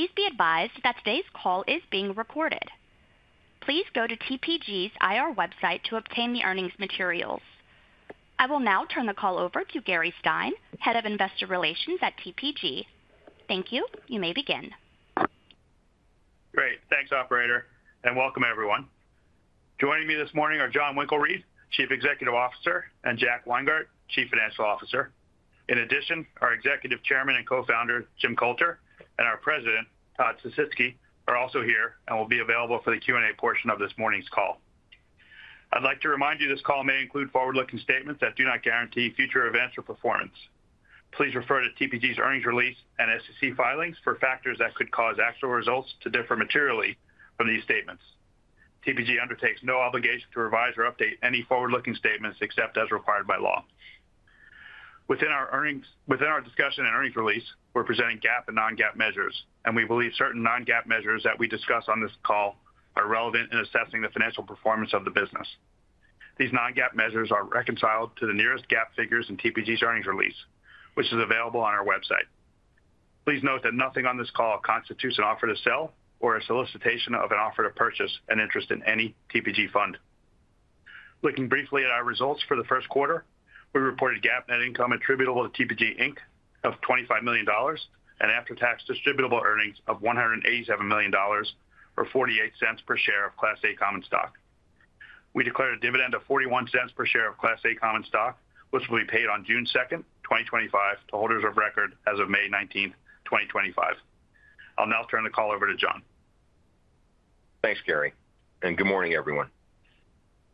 Please be advised that today's call is being recorded. Please go to TPG's IR website to obtain the earnings materials. I will now turn the call over to Gary Stein, Head of Investor Relations at TPG. Thank you. You may begin. Great. Thanks, Operator. Welcome, everyone. Joining me this morning are Jon Winkelried, Chief Executive Officer, and Jack Weingart, Chief Financial Officer. In addition, our Executive Chairman and Co-founder, Jim Coulter, and our President, Todd Sisitsky, are also here and will be available for the Q&A portion of this morning's call. I'd like to remind you this call may include forward-looking statements that do not guarantee future events or performance. Please refer to TPG's earnings release and SEC filings for factors that could cause actual results to differ materially from these statements. TPG undertakes no obligation to revise or update any forward-looking statements except as required by law. Within our discussion and earnings release, we're presenting GAAP and non-GAAP measures, and we believe certain non-GAAP measures that we discuss on this call are relevant in assessing the financial performance of the business. These non-GAAP measures are reconciled to the nearest GAAP figures in TPG's earnings release, which is available on our website. Please note that nothing on this call constitutes an offer to sell or a solicitation of an offer to purchase an interest in any TPG fund. Looking briefly at our results for the first quarter, we reported GAAP net income attributable to TPG of $25 million and after-tax distributable earnings of $187 million or $0.48 per share of Class A Common Stock. We declared a dividend of $0.41 per share of Class A Common Stock, which will be paid on June 2, 2025, to holders of record as of May 19, 2025. I'll now turn the call over to Jon. Thanks, Gary. Good morning, everyone.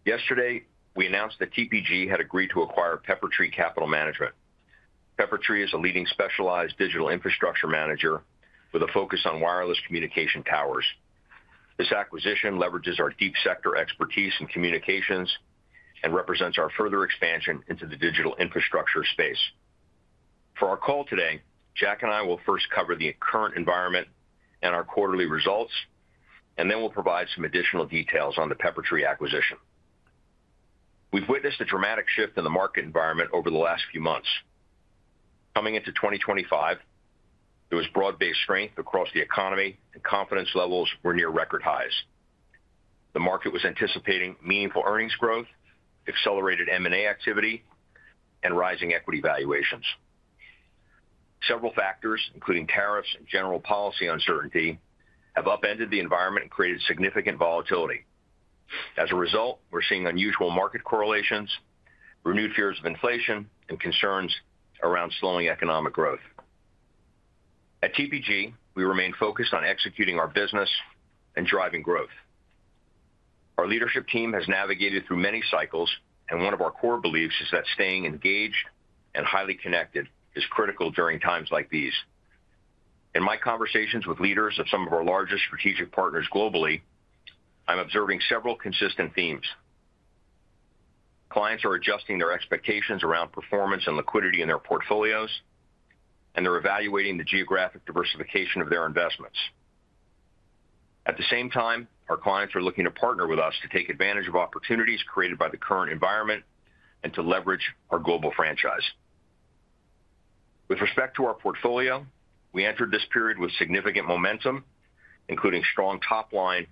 Yesterday, we announced that TPG had agreed to acquire Peppertree Capital Management. Peppertree is a leading specialized digital infrastructure manager with a focus on wireless communication towers. This acquisition leverages our deep sector expertise in communications and represents our further expansion into the digital infrastructure space. For our call today, Jack and I will first cover the current environment and our quarterly results, and then we'll provide some additional details on the Peppertree acquisition. We've witnessed a dramatic shift in the market environment over the last few months. Coming into 2025, there was broad-based strength across the economy, and confidence levels were near record highs. The market was anticipating meaningful earnings growth, accelerated M&A activity, and rising equity valuations. Several factors, including tariffs and general policy uncertainty, have upended the environment and created significant volatility. As a result, we're seeing unusual market correlations, renewed fears of inflation, and concerns around slowing economic growth. At TPG, we remain focused on executing our business and driving growth. Our leadership team has navigated through many cycles, and one of our core beliefs is that staying engaged and highly connected is critical during times like these. In my conversations with leaders of some of our largest strategic partners globally, I'm observing several consistent themes. Clients are adjusting their expectations around performance and liquidity in their portfolios, and they're evaluating the geographic diversification of their investments. At the same time, our clients are looking to partner with us to take advantage of opportunities created by the current environment and to leverage our global franchise. With respect to our portfolio, we entered this period with significant momentum, including strong top-line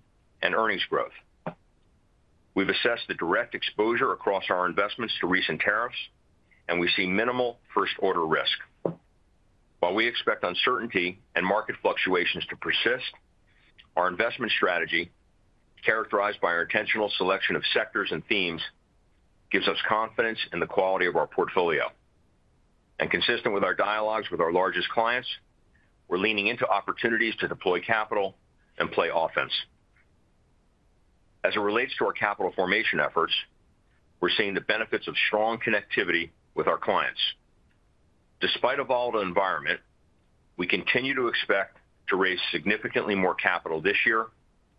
and earnings growth. We've assessed the direct exposure across our investments to recent tariffs, and we see minimal first-order risk. While we expect uncertainty and market fluctuations to persist, our investment strategy, characterized by our intentional selection of sectors and themes, gives us confidence in the quality of our portfolio. Consistent with our dialogues with our largest clients, we're leaning into opportunities to deploy capital and play offense. As it relates to our capital formation efforts, we're seeing the benefits of strong connectivity with our clients. Despite a volatile environment, we continue to expect to raise significantly more capital this year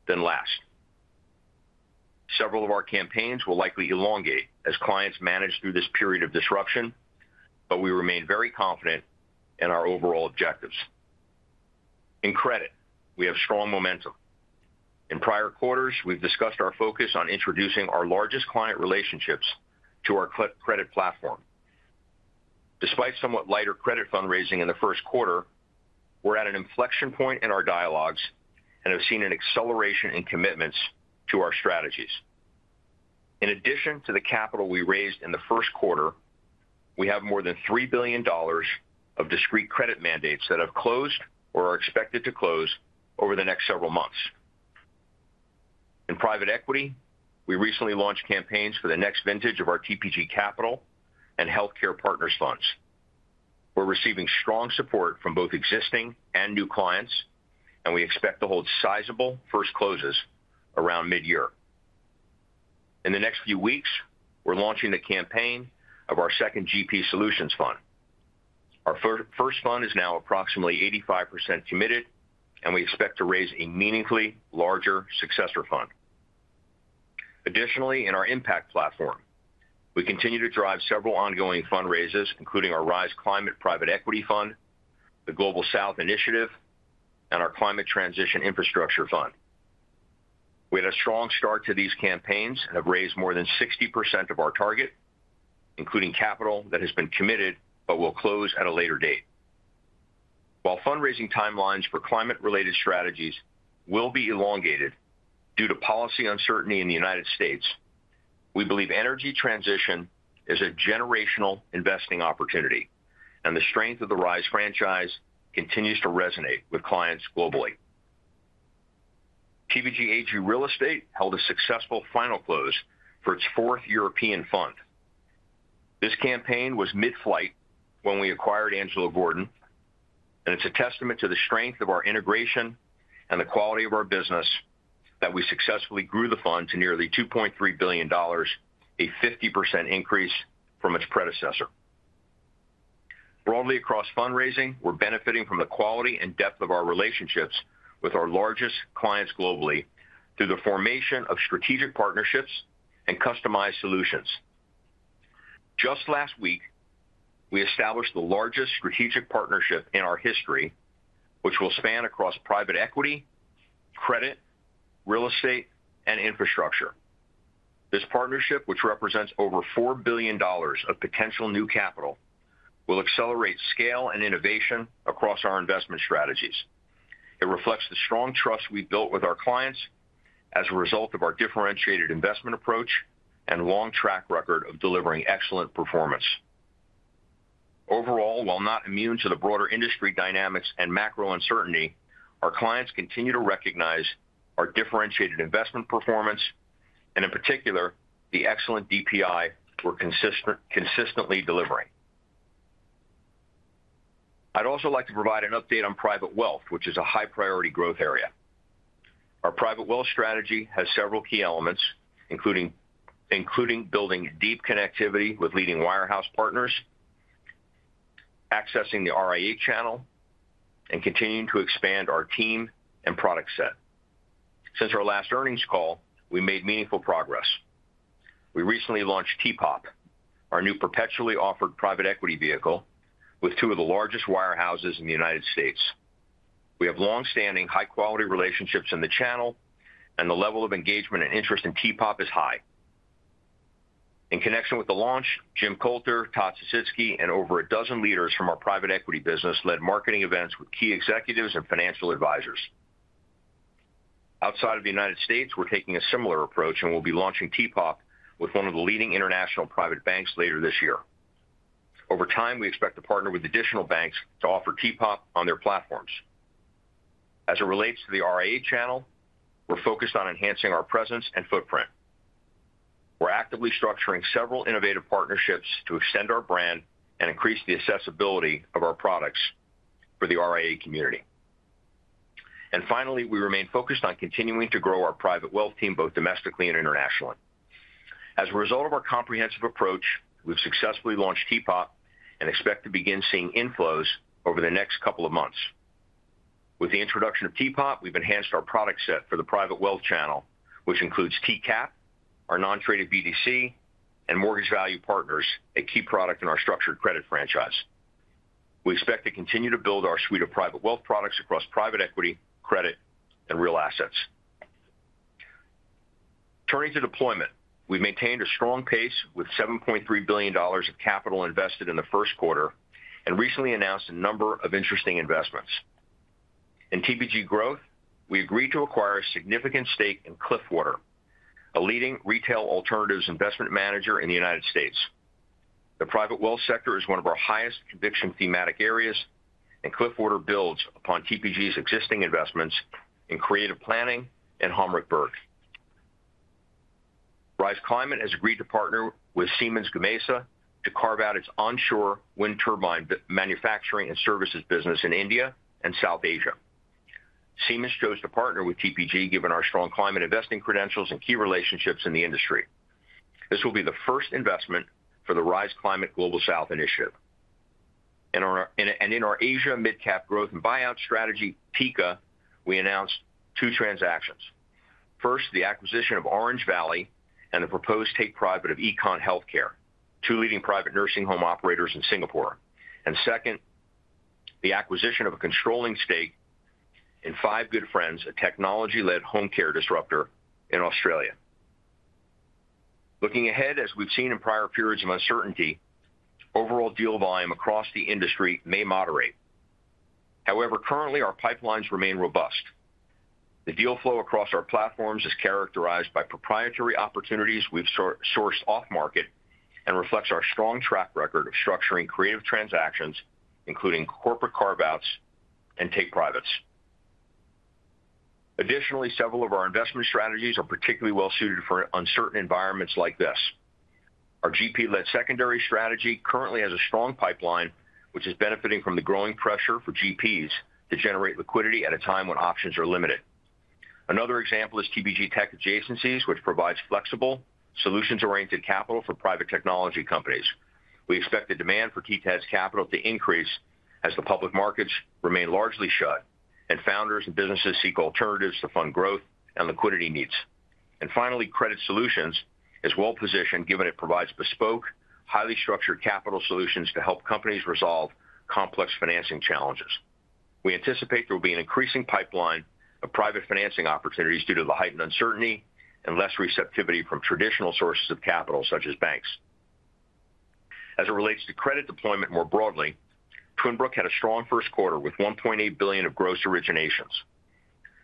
than last. Several of our campaigns will likely elongate as clients manage through this period of disruption, but we remain very confident in our overall objectives. In credit, we have strong momentum. In prior quarters, we've discussed our focus on introducing our largest client relationships to our credit platform. Despite somewhat lighter credit fundraising in the first quarter, we're at an inflection point in our dialogues and have seen an acceleration in commitments to our strategies. In addition to the capital we raised in the first quarter, we have more than $3 billion of discrete credit mandates that have closed or are expected to close over the next several months. In private equity, we recently launched campaigns for the next vintage of our TPG Capital and Healthcare Partners funds. We're receiving strong support from both existing and new clients, and we expect to hold sizable first closes around mid-year. In the next few weeks, we're launching the campaign of our second GP Solutions fund. Our first fund is now approximately 85% committed, and we expect to raise a meaningfully larger successor fund. Additionally, in our impact platform, we continue to drive several ongoing fundraisers, including our Rise Climate Private Equity Fund, the Global South Initiative, and our Climate Transition Infrastructure Fund. We had a strong start to these campaigns and have raised more than 60% of our target, including capital that has been committed but will close at a later date. While fundraising timelines for climate-related strategies will be elongated due to policy uncertainty in the United States, we believe energy transition is a generational investing opportunity, and the strength of the Rise franchise continues to resonate with clients globally. TPG AG Real Estate held a successful final close for its fourth European fund. This campaign was mid-flight when we acquired Angelo Gordon, and it's a testament to the strength of our integration and the quality of our business that we successfully grew the fund to nearly $2.3 billion, a 50% increase from its predecessor. Broadly across fundraising, we're benefiting from the quality and depth of our relationships with our largest clients globally through the formation of strategic partnerships and customized solutions. Just last week, we established the largest strategic partnership in our history, which will span across private equity, credit, real estate, and infrastructure. This partnership, which represents over $4 billion of potential new capital, will accelerate scale and innovation across our investment strategies. It reflects the strong trust we've built with our clients as a result of our differentiated investment approach and long track record of delivering excellent performance. Overall, while not immune to the broader industry dynamics and macro uncertainty, our clients continue to recognize our differentiated investment performance and, in particular, the excellent DPI we are consistently delivering. I would also like to provide an update on private wealth, which is a high-priority growth area. Our private wealth strategy has several key elements, including building deep connectivity with leading wirehouse partners, accessing the RIA channel, and continuing to expand our team and product set. Since our last earnings call, we have made meaningful progress. We recently launched TPOP, our new perpetually offered private equity vehicle with two of the largest wirehouses in the United States. We have long-standing high-quality relationships in the channel, and the level of engagement and interest in TPOP is high. In connection with the launch, Jim Coulter, Todd Sisitsky, and over a dozen leaders from our private equity business led marketing events with key executives and financial advisors. Outside of the United States, we're taking a similar approach and will be launching TPOP with one of the leading international private banks later this year. Over time, we expect to partner with additional banks to offer TPOP on their platforms. As it relates to the RIA channel, we're focused on enhancing our presence and footprint. We're actively structuring several innovative partnerships to extend our brand and increase the accessibility of our products for the RIA community. Finally, we remain focused on continuing to grow our private wealth team both domestically and internationally. As a result of our comprehensive approach, we've successfully launched TPOP and expect to begin seeing inflows over the next couple of months. With the introduction of TPOP, we've enhanced our product set for the private wealth channel, which includes TCAP, our non-traded BDC, and Mortgage Value Partners, a key product in our structured credit franchise. We expect to continue to build our suite of private wealth products across private equity, credit, and real assets. Turning to deployment, we've maintained a strong pace with $7.3 billion of capital invested in the first quarter and recently announced a number of interesting investments. In TPG Growth, we agreed to acquire a significant stake in Cliffwater, a leading retail alternatives investment manager in the United States. The private wealth sector is one of our highest conviction thematic areas, and Cliffwater builds upon TPG's existing investments in Creative Planning and Homeward Bound. Rise Climate has agreed to partner with Siemens Gamesa to carve out its onshore wind turbine manufacturing and services business in India and South Asia. Siemens chose to partner with TPG given our strong climate investing credentials and key relationships in the industry. This will be the first investment for the Rise Climate Global South Initiative. In our Asia mid-cap growth and buyout strategy, TECA, we announced two transactions. First, the acquisition of Orange Valley and the proposed take-private of Econ Healthcare, two leading private nursing home operators in Singapore. Second, the acquisition of a controlling stake in Five Good Friends, a technology-led home care disruptor in Australia. Looking ahead, as we've seen in prior periods of uncertainty, overall deal volume across the industry may moderate. However, currently, our pipelines remain robust. The deal flow across our platforms is characterized by proprietary opportunities we've sourced off-market and reflects our strong track record of structuring creative transactions, including corporate carve-outs and take-privates. Additionally, several of our investment strategies are particularly well-suited for uncertain environments like this. Our GP-led secondary strategy currently has a strong pipeline, which is benefiting from the growing pressure for GPs to generate liquidity at a time when options are limited. Another example is TPG Tech Adjacencies, which provides flexible, solutions-oriented capital for private technology companies. We expect the demand for TTAD's capital to increase as the public markets remain largely shut and founders and businesses seek alternatives to fund growth and liquidity needs. Finally, Credit Solutions is well-positioned given it provides bespoke, highly structured capital solutions to help companies resolve complex financing challenges. We anticipate there will be an increasing pipeline of private financing opportunities due to the heightened uncertainty and less receptivity from traditional sources of capital such as banks. As it relates to credit deployment more broadly, Twin Brook had a strong first quarter with $1.8 billion of gross originations.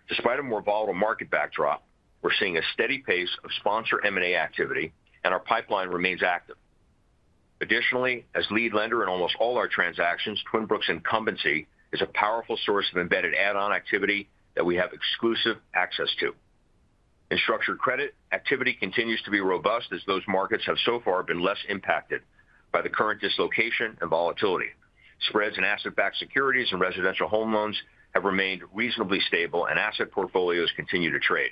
Despite a more volatile market backdrop, we're seeing a steady pace of sponsor M&A activity, and our pipeline remains active. Additionally, as lead lender in almost all our transactions, Twin Brook's incumbency is a powerful source of embedded add-on activity that we have exclusive access to. In structured credit, activity continues to be robust as those markets have so far been less impacted by the current dislocation and volatility. Spreads in asset-backed securities and residential home loans have remained reasonably stable, and asset portfolios continue to trade.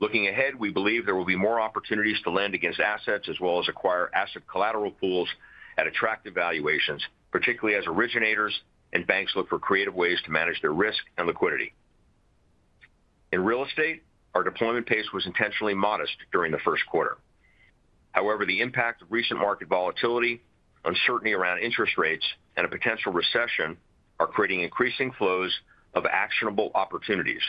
Looking ahead, we believe there will be more opportunities to lend against assets as well as acquire asset collateral pools at attractive valuations, particularly as originators and banks look for creative ways to manage their risk and liquidity. In real estate, our deployment pace was intentionally modest during the first quarter. However, the impact of recent market volatility, uncertainty around interest rates, and a potential recession are creating increasing flows of actionable opportunities.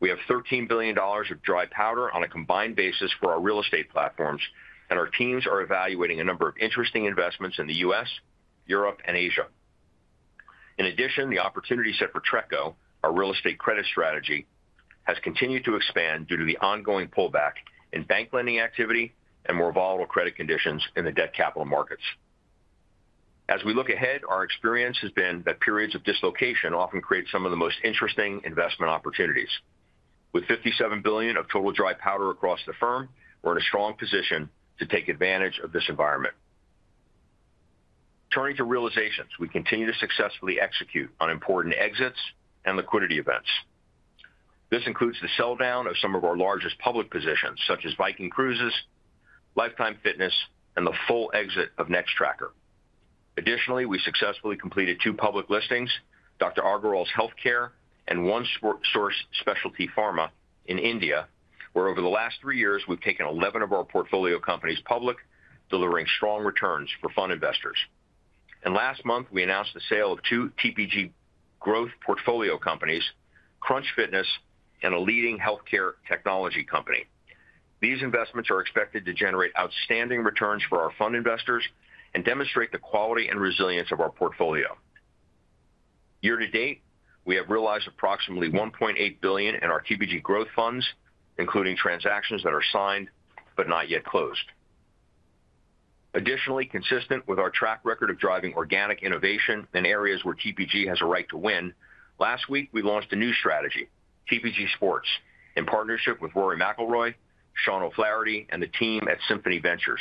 We have $13 billion of dry powder on a combined basis for our real estate platforms, and our teams are evaluating a number of interesting investments in the U.S., Europe, and Asia. In addition, the opportunity set for TRECO, our real estate credit strategy, has continued to expand due to the ongoing pullback in bank lending activity and more volatile credit conditions in the debt capital markets. As we look ahead, our experience has been that periods of dislocation often create some of the most interesting investment opportunities. With $57 billion of total dry powder across the firm, we're in a strong position to take advantage of this environment. Turning to realizations, we continue to successfully execute on important exits and liquidity events. This includes the sell-down of some of our largest public positions, such as Viking Cruises, Lifetime Fitness, and the full exit of Nextracker. Additionally, we successfully completed two public listings, Dr. Agarwal's Healthcare and OneSource Specialty Pharma in India, where over the last three years, we've taken 11 of our portfolio companies public, delivering strong returns for fund investors. Last month, we announced the sale of two TPG Growth portfolio companies, Crunch Fitness and a leading healthcare technology company. These investments are expected to generate outstanding returns for our fund investors and demonstrate the quality and resilience of our portfolio. Year to date, we have realized approximately $1.8 billion in our TPG Growth funds, including transactions that are signed but not yet closed. Additionally, consistent with our track record of driving organic innovation in areas where TPG has a right to win, last week, we launched a new strategy, TPG Sports, in partnership with Rory McIlroy, Sean O'Flaherty, and the team at Symphony Ventures.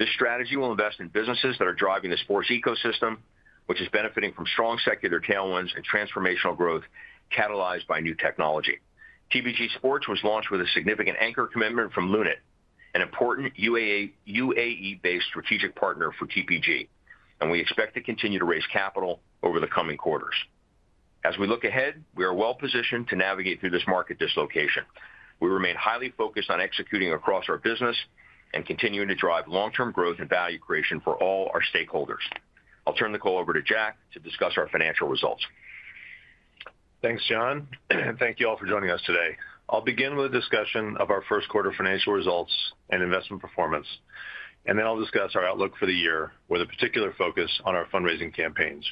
This strategy will invest in businesses that are driving the sports ecosystem, which is benefiting from strong secular tailwinds and transformational growth catalyzed by new technology. TPG Sports was launched with a significant anchor commitment from Lunate, an important UAE-based strategic partner for TPG, and we expect to continue to raise capital over the coming quarters. As we look ahead, we are well-positioned to navigate through this market dislocation. We remain highly focused on executing across our business and continuing to drive long-term growth and value creation for all our stakeholders. I'll turn the call over to Jack to discuss our financial results. Thanks, Jon, and thank you all for joining us today. I'll begin with a discussion of our first quarter financial results and investment performance, and then I'll discuss our outlook for the year with a particular focus on our fundraising campaigns.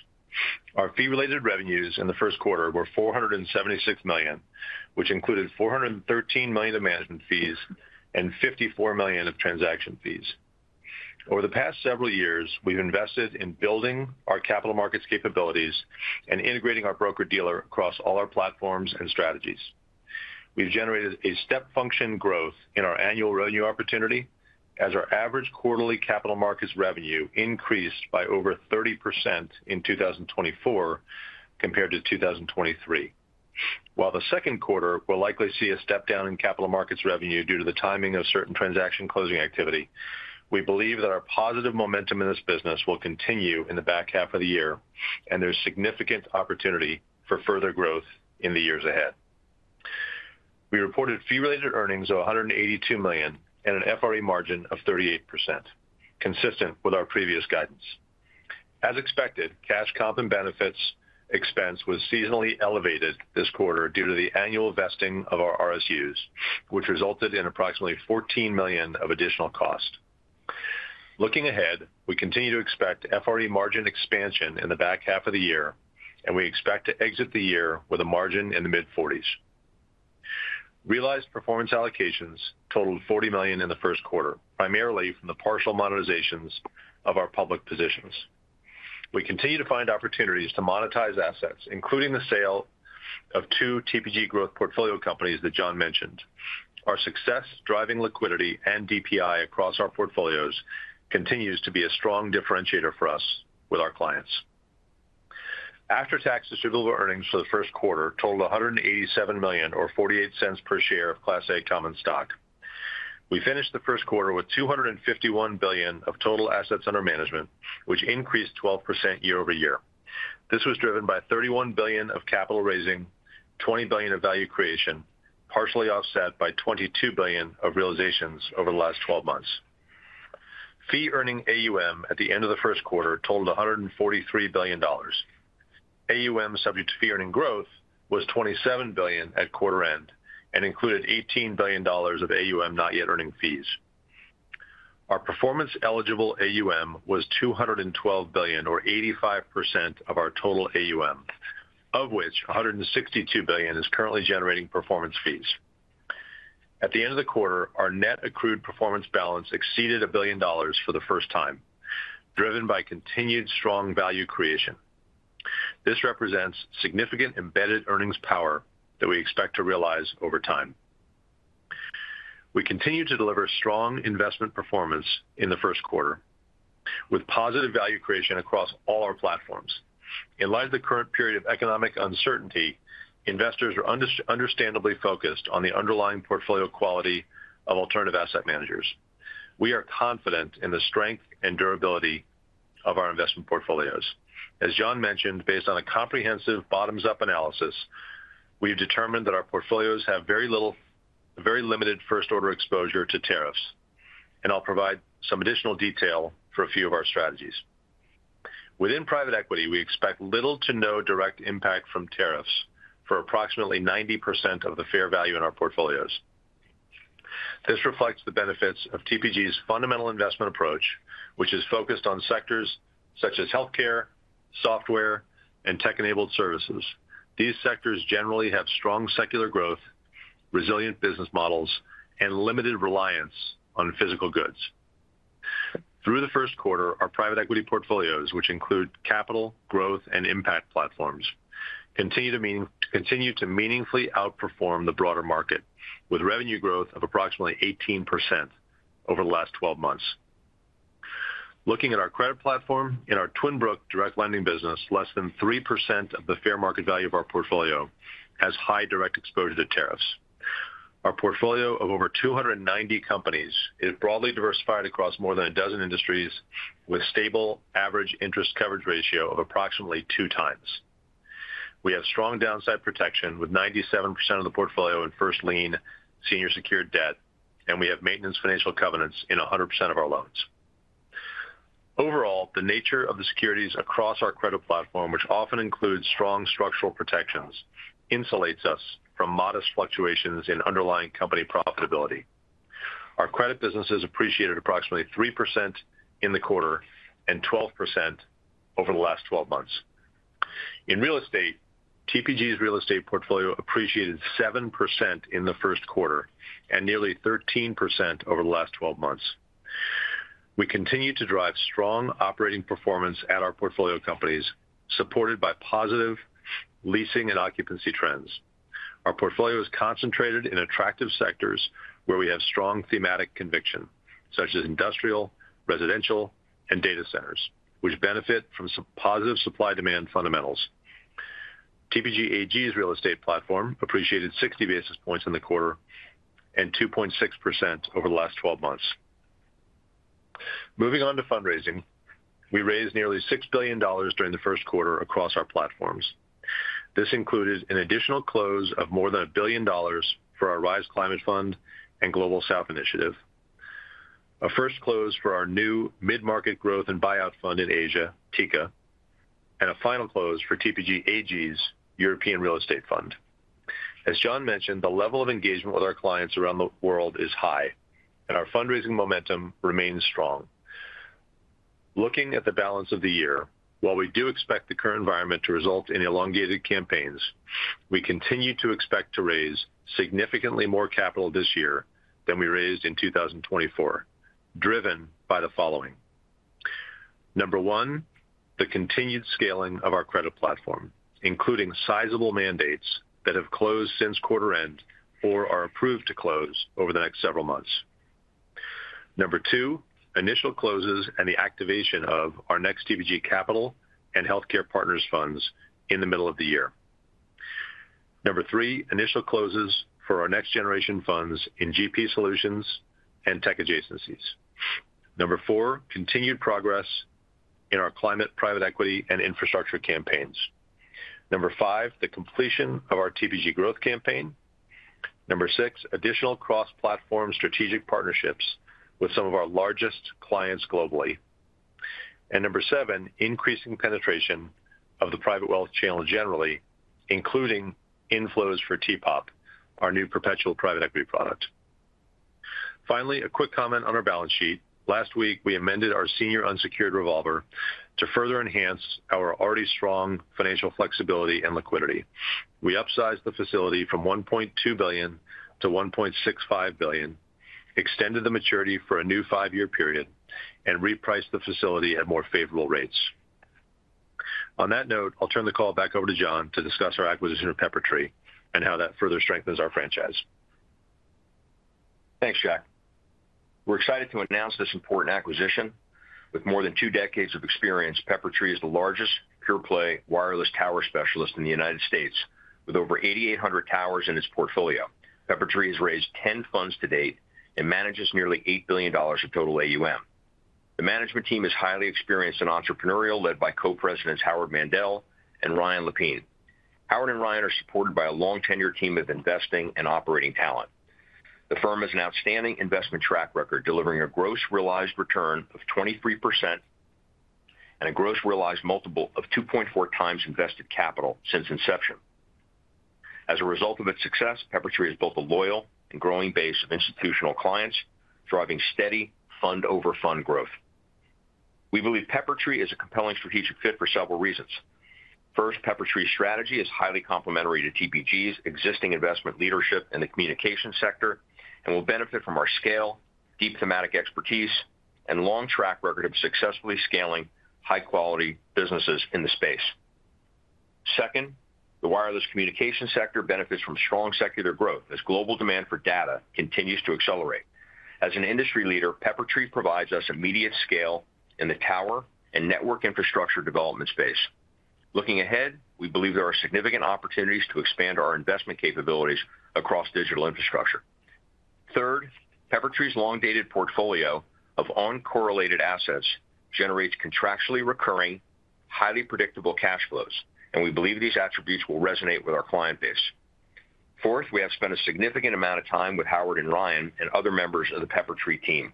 Our fee-related revenues in the first quarter were $476 million, which included $413 million of management fees and $54 million of transaction fees. Over the past several years, we've invested in building our capital markets capabilities and integrating our broker-dealer across all our platforms and strategies. We've generated a step function growth in our annual revenue opportunity as our average quarterly capital markets revenue increased by over 30% in 2024 compared to 2023. While the second quarter will likely see a step down in capital markets revenue due to the timing of certain transaction closing activity, we believe that our positive momentum in this business will continue in the back half of the year, and there's significant opportunity for further growth in the years ahead. We reported fee-related earnings of $182 million and an FRE margin of 38%, consistent with our previous guidance. As expected, cash comp and benefits expense was seasonally elevated this quarter due to the annual vesting of our RSUs, which resulted in approximately $14 million of additional cost. Looking ahead, we continue to expect FRE margin expansion in the back half of the year, and we expect to exit the year with a margin in the mid-40s. Realized performance allocations totaled $40 million in the first quarter, primarily from the partial monetizations of our public positions. We continue to find opportunities to monetize assets, including the sale of two TPG Growth portfolio companies that Jon mentioned. Our success driving liquidity and DPI across our portfolios continues to be a strong differentiator for us with our clients. After-tax distributable earnings for the first quarter totaled $187 million, or $0.48 per share of Class A common stock. We finished the first quarter with $251 billion of total assets under management, which increased 12% year over year. This was driven by $31 billion of capital raising, $20 billion of value creation, partially offset by $22 billion of realizations over the last 12 months. Fee-earning AUM at the end of the first quarter totaled $143 billion. AUM subject to fee-earning growth was $27 billion at quarter end and included $18 billion of AUM not yet earning fees. Our performance-eligible AUM was $212 billion, or 85% of our total AUM, of which $162 billion is currently generating performance fees. At the end of the quarter, our net accrued performance balance exceeded $1 billion for the first time, driven by continued strong value creation. This represents significant embedded earnings power that we expect to realize over time. We continue to deliver strong investment performance in the first quarter, with positive value creation across all our platforms. In light of the current period of economic uncertainty, investors are understandably focused on the underlying portfolio quality of alternative asset managers. We are confident in the strength and durability of our investment portfolios. As Jon mentioned, based on a comprehensive bottoms-up analysis, we have determined that our portfolios have very limited first-order exposure to tariffs, and I'll provide some additional detail for a few of our strategies. Within private equity, we expect little to no direct impact from tariffs for approximately 90% of the fair value in our portfolios. This reflects the benefits of TPG's fundamental investment approach, which is focused on sectors such as healthcare, software, and tech-enabled services. These sectors generally have strong secular growth, resilient business models, and limited reliance on physical goods. Through the first quarter, our private equity portfolios, which include capital, growth, and impact platforms, continue to meaningfully outperform the broader market, with revenue growth of approximately 18% over the last 12 months. Looking at our credit platform, in our Twin Brook direct lending business, less than 3% of the fair market value of our portfolio has high direct exposure to tariffs. Our portfolio of over 290 companies is broadly diversified across more than a dozen industries, with a stable average interest coverage ratio of approximately two times. We have strong downside protection with 97% of the portfolio in first lien senior secured debt, and we have maintenance financial covenants in 100% of our loans. Overall, the nature of the securities across our credit platform, which often includes strong structural protections, insulates us from modest fluctuations in underlying company profitability. Our credit business has appreciated approximately 3% in the quarter and 12% over the last 12 months. In real estate, TPG's real estate portfolio appreciated 7% in the first quarter and nearly 13% over the last 12 months. We continue to drive strong operating performance at our portfolio companies, supported by positive leasing and occupancy trends. Our portfolio is concentrated in attractive sectors where we have strong thematic conviction, such as industrial, residential, and data centers, which benefit from positive supply-demand fundamentals. TPG AG's real estate platform appreciated 60 basis points in the quarter and 2.6% over the last 12 months. Moving on to fundraising, we raised nearly $6 billion during the first quarter across our platforms. This included an additional close of more than $1 billion for our Rise Climate Fund and Global South Initiative, a first close for our new mid-market growth and buyout fund in Asia, TICA, and a final close for TPG AG's European real estate fund. As Jon mentioned, the level of engagement with our clients around the world is high, and our fundraising momentum remains strong. Looking at the balance of the year, while we do expect the current environment to result in elongated campaigns, we continue to expect to raise significantly more capital this year than we raised in 2024, driven by the following: Number one, the continued scaling of our credit platform, including sizable mandates that have closed since quarter end or are approved to close over the next several months. Number two, initial closes and the activation of our next TPG Capital and Healthcare Partners funds in the middle of the year. Number three, initial closes for our next generation funds in GP Solutions and Tech Adjacencies. Number four, continued progress in our climate, private equity, and infrastructure campaigns. Number five, the completion of our TPG Growth campaign. Number six, additional cross-platform strategic partnerships with some of our largest clients globally. Number seven, increasing penetration of the private wealth channel generally, including inflows for TPOP, our new perpetual private equity product. Finally, a quick comment on our balance sheet. Last week, we amended our senior unsecured revolver to further enhance our already strong financial flexibility and liquidity. We upsized the facility from $1.2 billion to $1.65 billion, extended the maturity for a new five-year period, and repriced the facility at more favorable rates. On that note, I'll turn the call back over to Jon to discuss our acquisition of Peppertree and how that further strengthens our franchise. Thanks, Jack. We're excited to announce this important acquisition. With more than two decades of experience, Peppertree is the largest pure-play wireless tower specialist in the United States, with over 8,800 towers in its portfolio. Peppertree has raised 10 funds to date and manages nearly $8 billion of total AUM. The management team is highly experienced and entrepreneurial, led by Co-Presidents Howard Mandel and Ryan Lepene. Howard and Ryan are supported by a long-tenure team of investing and operating talent. The firm has an outstanding investment track record, delivering a gross realized return of 23% and a gross realized multiple of 2.4 times invested capital since inception. As a result of its success, Peppertree has built a loyal and growing base of institutional clients, driving steady fund-over-fund growth. We believe Peppertree is a compelling strategic fit for several reasons. First, Peppertree's strategy is highly complementary to TPG's existing investment leadership in the communication sector and will benefit from our scale, deep thematic expertise, and long track record of successfully scaling high-quality businesses in the space. Second, the wireless communication sector benefits from strong secular growth as global demand for data continues to accelerate. As an industry leader, Peppertree provides us immediate scale in the tower and network infrastructure development space. Looking ahead, we believe there are significant opportunities to expand our investment capabilities across digital infrastructure. Third, Peppertree's long-dated portfolio of uncorrelated assets generates contractually recurring, highly predictable cash flows, and we believe these attributes will resonate with our client base. Fourth, we have spent a significant amount of time with Howard and Ryan and other members of the Peppertree team.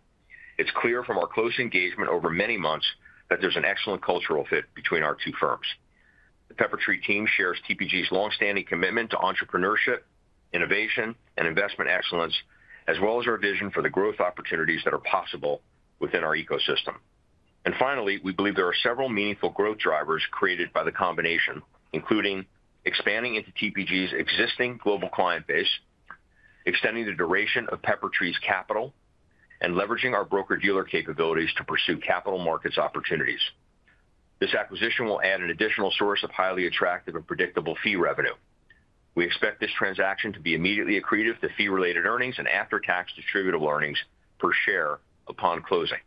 It's clear from our close engagement over many months that there's an excellent cultural fit between our two firms. The Peppertree team shares TPG's long-standing commitment to entrepreneurship, innovation, and investment excellence, as well as our vision for the growth opportunities that are possible within our ecosystem. Finally, we believe there are several meaningful growth drivers created by the combination, including expanding into TPG's existing global client base, extending the duration of Peppertree's capital, and leveraging our broker-dealer capabilities to pursue capital markets opportunities. This acquisition will add an additional source of highly attractive and predictable fee revenue. We expect this transaction to be immediately accretive to fee-related earnings and after-tax distributable earnings per share upon closing.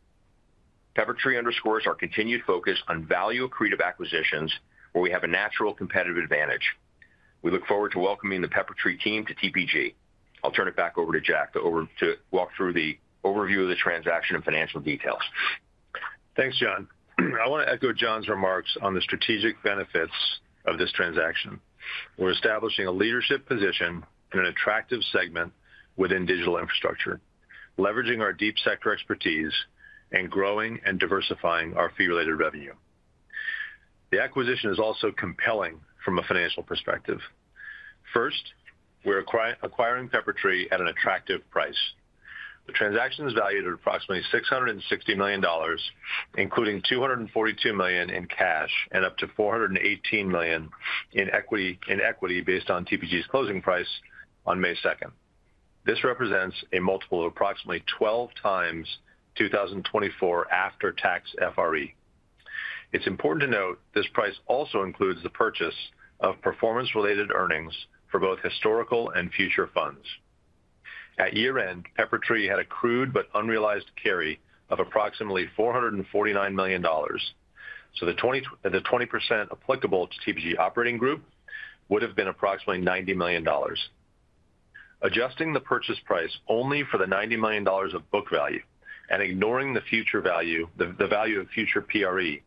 Peppertree underscores our continued focus on value-accretive acquisitions, where we have a natural competitive advantage. We look forward to welcoming the Peppertree team to TPG. I'll turn it back over to Jack to walk through the overview of the transaction and financial details. Thanks, Jon. I want to echo Jon's remarks on the strategic benefits of this transaction. We're establishing a leadership position in an attractive segment within digital infrastructure, leveraging our deep sector expertise and growing and diversifying our fee-related revenue. The acquisition is also compelling from a financial perspective. First, we're acquiring Peppertree at an attractive price. The transaction is valued at approximately $660 million, including $242 million in cash and up to $418 million in equity based on TPG's closing price on May 2nd. This represents a multiple of approximately 12 times 2024 after-tax FRE. It's important to note this price also includes the purchase of performance-related earnings for both historical and future funds. At year-end, Peppertree had accrued but unrealized carry of approximately $449 million, so the 20% applicable to TPG operating group would have been approximately $90 million. Adjusting the purchase price only for the $90 million of book value and ignoring the value of future PRE,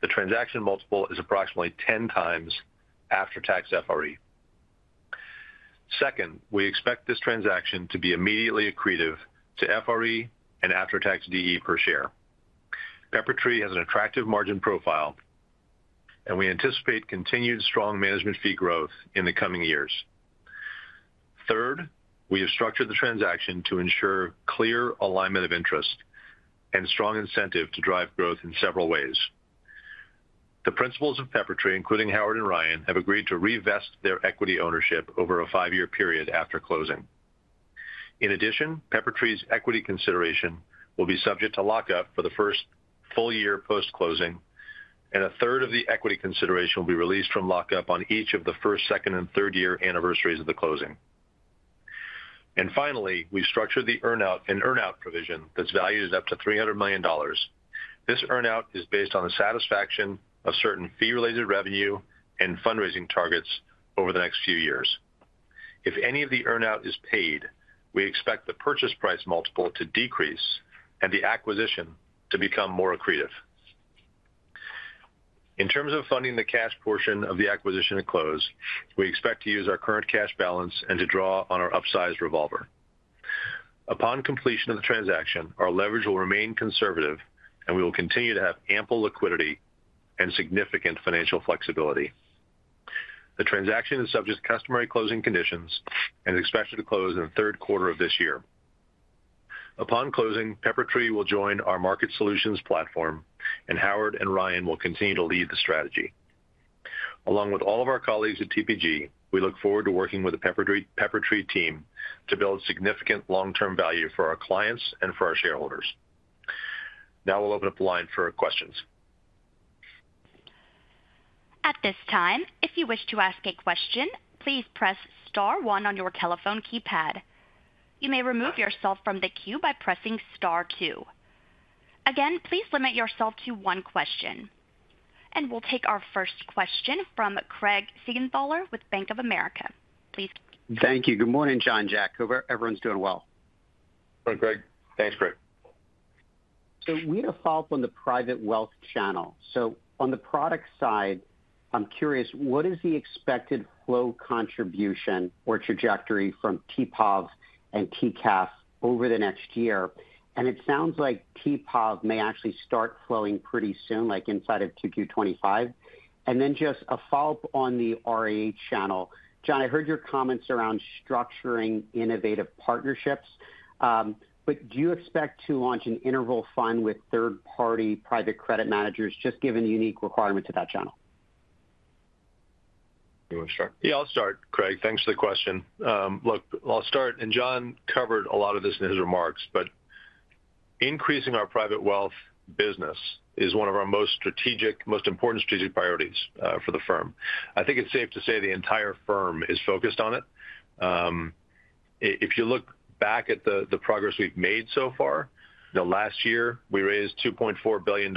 the transaction multiple is approximately 10 times after-tax FRE. Second, we expect this transaction to be immediately accretive to FRE and after-tax DE per share. Peppertree has an attractive margin profile, and we anticipate continued strong management fee growth in the coming years. Third, we have structured the transaction to ensure clear alignment of interest and strong incentive to drive growth in several ways. The principals of Peppertree, including Howard and Ryan, have agreed to re-invest their equity ownership over a five-year period after closing. In addition, Peppertree's equity consideration will be subject to lockup for the first full year post-closing, and a third of the equity consideration will be released from lockup on each of the first, second, and third-year anniversaries of the closing. Finally, we've structured the earn-out provision that's valued at up to $300 million. This earn-out is based on the satisfaction of certain fee-related revenue and fundraising targets over the next few years. If any of the earn-out is paid, we expect the purchase price multiple to decrease and the acquisition to become more accretive. In terms of funding the cash portion of the acquisition at close, we expect to use our current cash balance and to draw on our upsized revolver. Upon completion of the transaction, our leverage will remain conservative, and we will continue to have ample liquidity and significant financial flexibility. The transaction is subject to customary closing conditions and is expected to close in the third quarter of this year. Upon closing, Peppertree will join our market solutions platform, and Howard and Ryan will continue to lead the strategy. Along with all of our colleagues at TPG, we look forward to working with the Peppertree team to build significant long-term value for our clients and for our shareholders. Now we'll open up the line for questions. At this time, if you wish to ask a question, please press Star one on your telephone keypad. You may remove yourself from the queue by pressing Star two. Again, please limit yourself to one question. We'll take our first question from Craig Siegenthaler with Bank of America. Please. Thank you. Good morning, Jon, Jack, Cooper. Everyone's doing well. Good, Craig. Thanks, Craig. We had a follow-up on the private wealth channel. On the product side, I'm curious, what is the expected flow contribution or trajectory from TPOP and TCAP over the next year? It sounds like TPOP may actually start flowing pretty soon, like inside of 2Q 2025. Just a follow-up on the RIA channel. Jon, I heard your comments around structuring innovative partnerships, but do you expect to launch an interval fund with third-party private credit managers, just given the unique requirement to that channel? Yeah, I'll start, Craig. Thanks for the question. Look, I'll start, and Jon covered a lot of this in his remarks, but increasing our private wealth business is one of our most important strategic priorities for the firm. I think it's safe to say the entire firm is focused on it. If you look back at the progress we've made so far, last year we raised $2.4 billion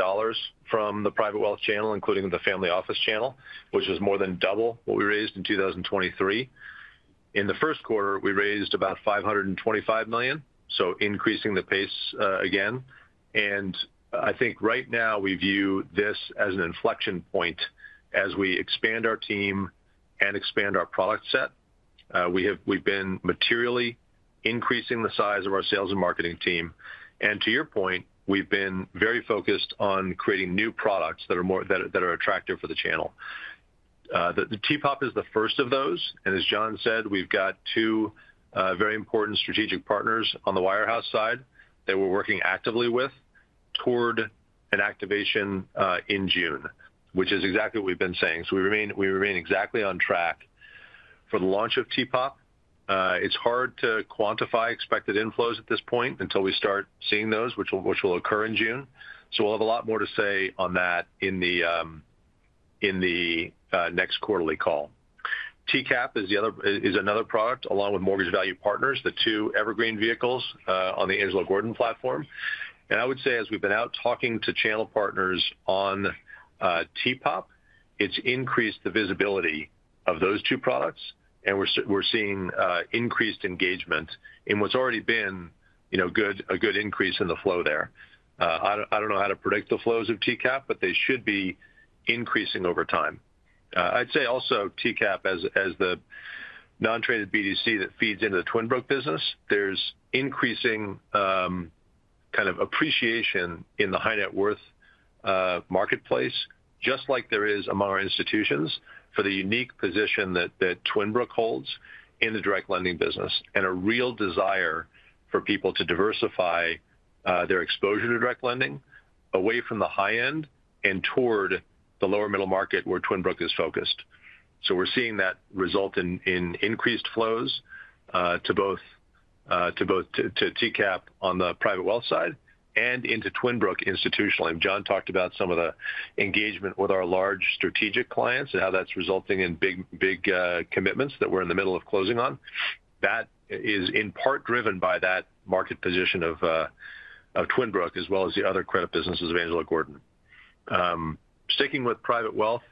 from the private wealth channel, including the family office channel, which was more than double what we raised in 2023. In the first quarter, we raised about $525 million, so increasing the pace again. I think right now we view this as an inflection point as we expand our team and expand our product set. We've been materially increasing the size of our sales and marketing team. To your point, we've been very focused on creating new products that are attractive for the channel. The TPOP is the first of those. As Jon said, we've got two very important strategic partners on the wirehouse side that we're working actively with toward an activation in June, which is exactly what we've been saying. We remain exactly on track for the launch of TPOP. It's hard to quantify expected inflows at this point until we start seeing those, which will occur in June. We'll have a lot more to say on that in the next quarterly call. TCAP is another product along with Mortgage Value Partners, the two evergreen vehicles on the Angelo Gordon platform. I would say, as we've been out talking to channel partners on TPOP, it's increased the visibility of those two products, and we're seeing increased engagement in what's already been a good increase in the flow there. I don't know how to predict the flows of TCAP, but they should be increasing over time. I'd say also TCAP, as the non-traded BDC that feeds into the Twin Brook business, there's increasing kind of appreciation in the high-net-worth marketplace, just like there is among our institutions for the unique position that Twin Brook holds in the direct lending business and a real desire for people to diversify their exposure to direct lending away from the high end and toward the lower middle market where Twin Brook is focused. We're seeing that result in increased flows to both TCAP on the private wealth side and into Twin Brook institutionally. Jon talked about some of the engagement with our large strategic clients and how that's resulting in big commitments that we're in the middle of closing on. That is in part driven by that market position of Twin Brook, as well as the other credit businesses of Angelo Gordon. Sticking with private wealth,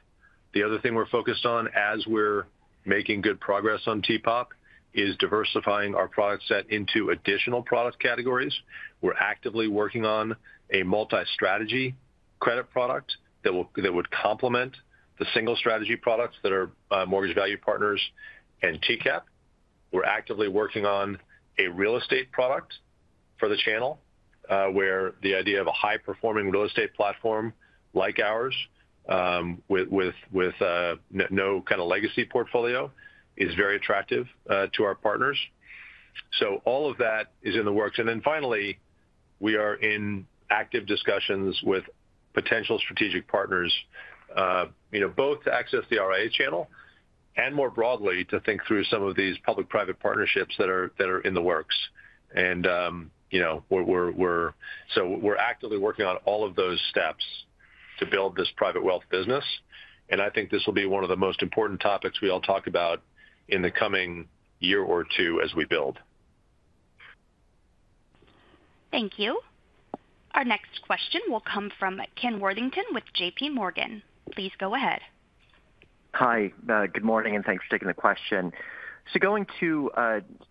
the other thing we're focused on as we're making good progress on TPOP is diversifying our product set into additional product categories. We're actively working on a multi-strategy credit product that would complement the single-strategy products that are Mortgage Value Partners and TCAP. We're actively working on a real estate product for the channel where the idea of a high-performing real estate platform like ours with no kind of legacy portfolio is very attractive to our partners. All of that is in the works. Finally, we are in active discussions with potential strategic partners, both to access the RIA channel and more broadly to think through some of these public-private partnerships that are in the works. We are actively working on all of those steps to build this private wealth business. I think this will be one of the most important topics we all talk about in the coming year or two as we build. Thank you. Our next question will come from Ken Worthington with JPMorgan. Please go ahead. Hi. Good morning, and thanks for taking the question. Going to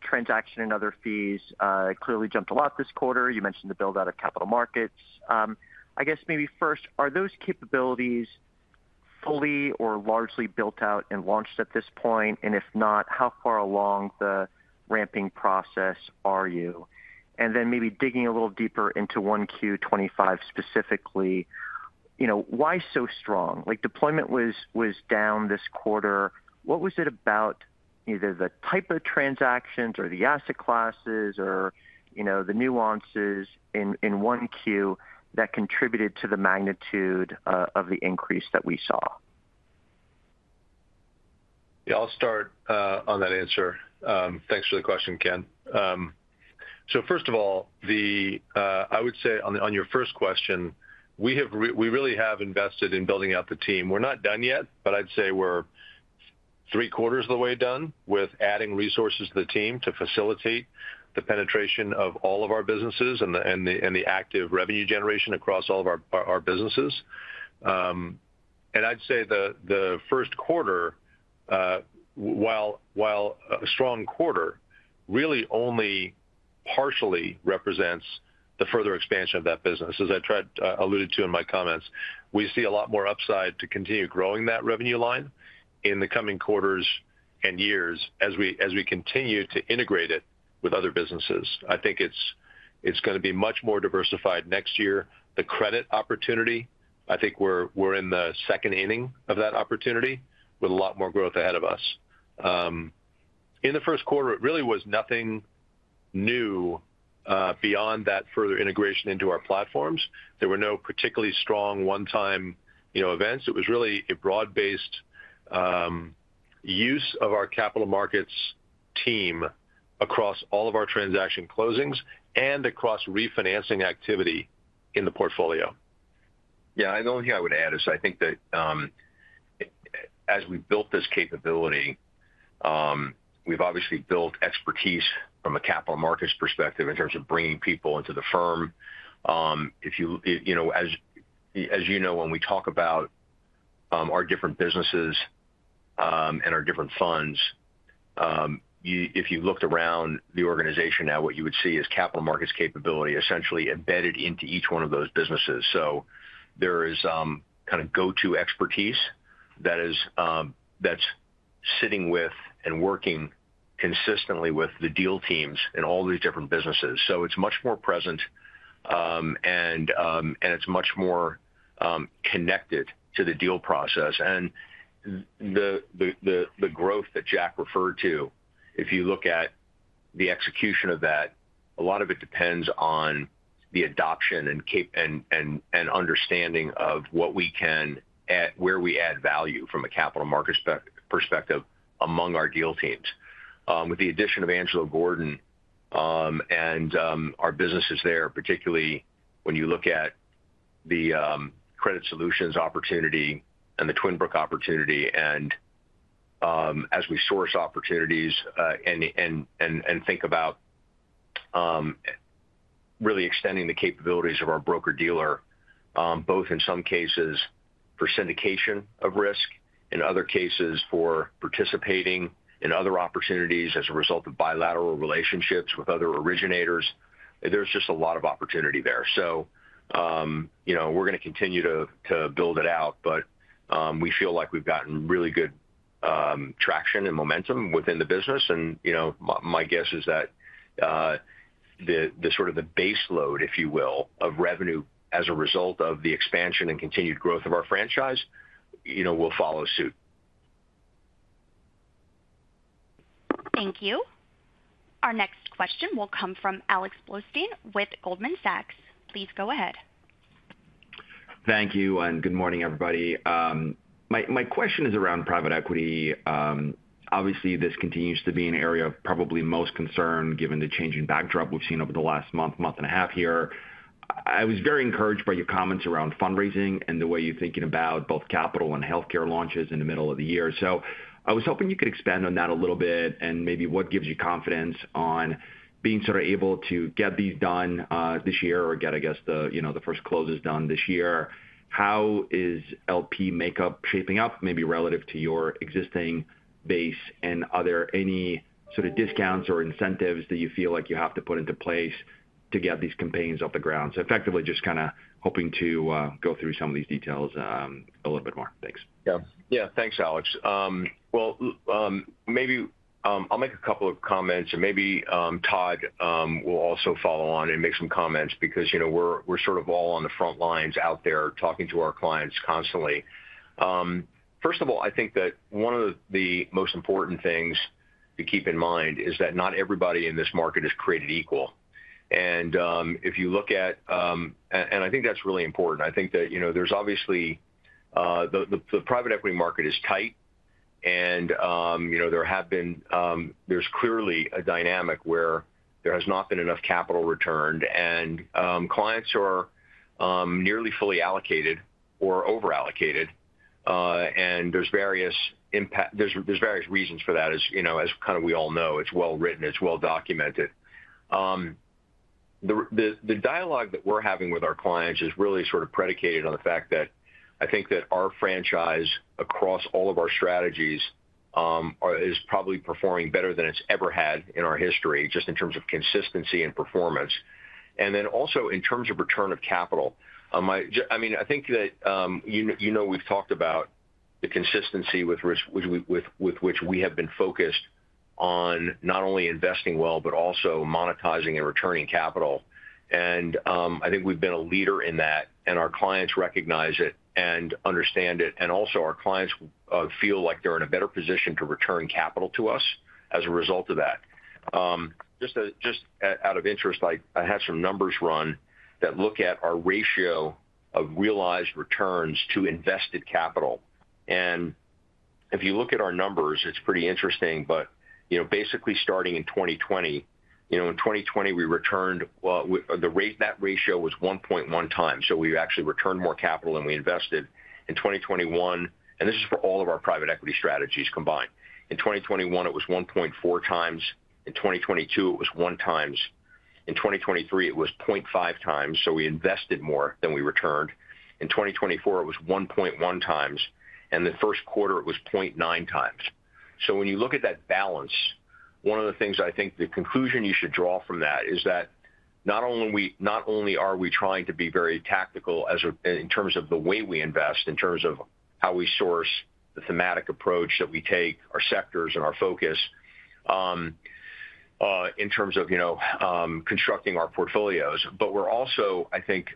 transaction and other fees, clearly jumped a lot this quarter. You mentioned the build-out of capital markets. I guess maybe first, are those capabilities fully or largely built out and launched at this point? If not, how far along the ramping process are you? Maybe digging a little deeper into 1Q 2025 specifically, why so strong? Deployment was down this quarter. What was it about either the type of transactions or the asset classes or the nuances in 1Q that contributed to the magnitude of the increase that we saw? Yeah, I'll start on that answer. Thanks for the question, Ken. First of all, I would say on your first question, we really have invested in building out the team. We're not done yet, but I'd say we're three-quarters of the way done with adding resources to the team to facilitate the penetration of all of our businesses and the active revenue generation across all of our businesses. I'd say the first quarter, while a strong quarter, really only partially represents the further expansion of that business. As I tried to allude to in my comments, we see a lot more upside to continue growing that revenue line in the coming quarters and years as we continue to integrate it with other businesses. I think it's going to be much more diversified next year. The credit opportunity, I think we're in the second inning of that opportunity with a lot more growth ahead of us. In the first quarter, it really was nothing new beyond that further integration into our platforms. There were no particularly strong one-time events. It was really a broad-based use of our capital markets team across all of our transaction closings and across refinancing activity in the portfolio. Yeah, the only thing I would add is I think that as we built this capability, we've obviously built expertise from a capital markets perspective in terms of bringing people into the firm. As you know, when we talk about our different businesses and our different funds, if you looked around the organization now, what you would see is capital markets capability essentially embedded into each one of those businesses. There is kind of go-to expertise that's sitting with and working consistently with the deal teams in all these different businesses. It is much more present, and it is much more connected to the deal process. The growth that Jack referred to, if you look at the execution of that, a lot of it depends on the adoption and understanding of where we add value from a capital markets perspective among our deal teams. With the addition of Angelo Gordon and our businesses there, particularly when you look at the credit solutions opportunity and the Twin Brook opportunity, and as we source opportunities and think about really extending the capabilities of our broker-dealer, both in some cases for syndication of risk, in other cases for participating in other opportunities as a result of bilateral relationships with other originators, there's just a lot of opportunity there. We're going to continue to build it out, but we feel like we've gotten really good traction and momentum within the business. My guess is that the sort of the baseload, if you will, of revenue as a result of the expansion and continued growth of our franchise will follow suit. Thank you. Our next question will come from Alex Blostein with Goldman Sachs. Please go ahead. Thank you, and good morning, everybody. My question is around private equity. Obviously, this continues to be an area of probably most concern given the changing backdrop we've seen over the last month, month and a half here. I was very encouraged by your comments around fundraising and the way you're thinking about both capital and healthcare launches in the middle of the year. I was hoping you could expand on that a little bit and maybe what gives you confidence on being sort of able to get these done this year or get, I guess, the first closes done this year. How is LP makeup shaping up maybe relative to your existing base and are there any sort of discounts or incentives that you feel like you have to put into place to get these campaigns off the ground? Effectively just kind of hoping to go through some of these details a little bit more. Thanks. Yeah, thanks, Alex. Maybe I'll make a couple of comments, and maybe Todd will also follow on and make some comments because we're sort of all on the front lines out there talking to our clients constantly. First of all, I think that one of the most important things to keep in mind is that not everybody in this market is created equal. If you look at, and I think that's really important, I think that there's obviously the private equity market is tight, and there's clearly a dynamic where there has not been enough capital returned, and clients are nearly fully allocated or overallocated. There are various reasons for that, as kind of we all know. It's well-written. It's well-documented. The dialogue that we're having with our clients is really sort of predicated on the fact that I think that our franchise across all of our strategies is probably performing better than it's ever had in our history just in terms of consistency and performance. I mean, I think that you know we've talked about the consistency with which we have been focused on not only investing well but also monetizing and returning capital. I think we've been a leader in that, and our clients recognize it and understand it. Also our clients feel like they're in a better position to return capital to us as a result of that. Just out of interest, I had some numbers run that look at our ratio of realized returns to invested capital. If you look at our numbers, it's pretty interesting. Basically starting in 2020, in 2020, we returned that ratio was 1.1x. We actually returned more capital than we invested in 2021. This is for all of our private equity strategies combined. In 2021, it was 1.4x. In 2022, it was 1x. In 2023, it was 0.5x. We invested more than we returned. In 2024, it was 1.1x. The first quarter, it was 0.9x. When you look at that balance, one of the things I think the conclusion you should draw from that is that not only are we trying to be very tactical in terms of the way we invest, in terms of how we source, the thematic approach that we take, our sectors and our focus in terms of constructing our portfolios, but we're also, I think,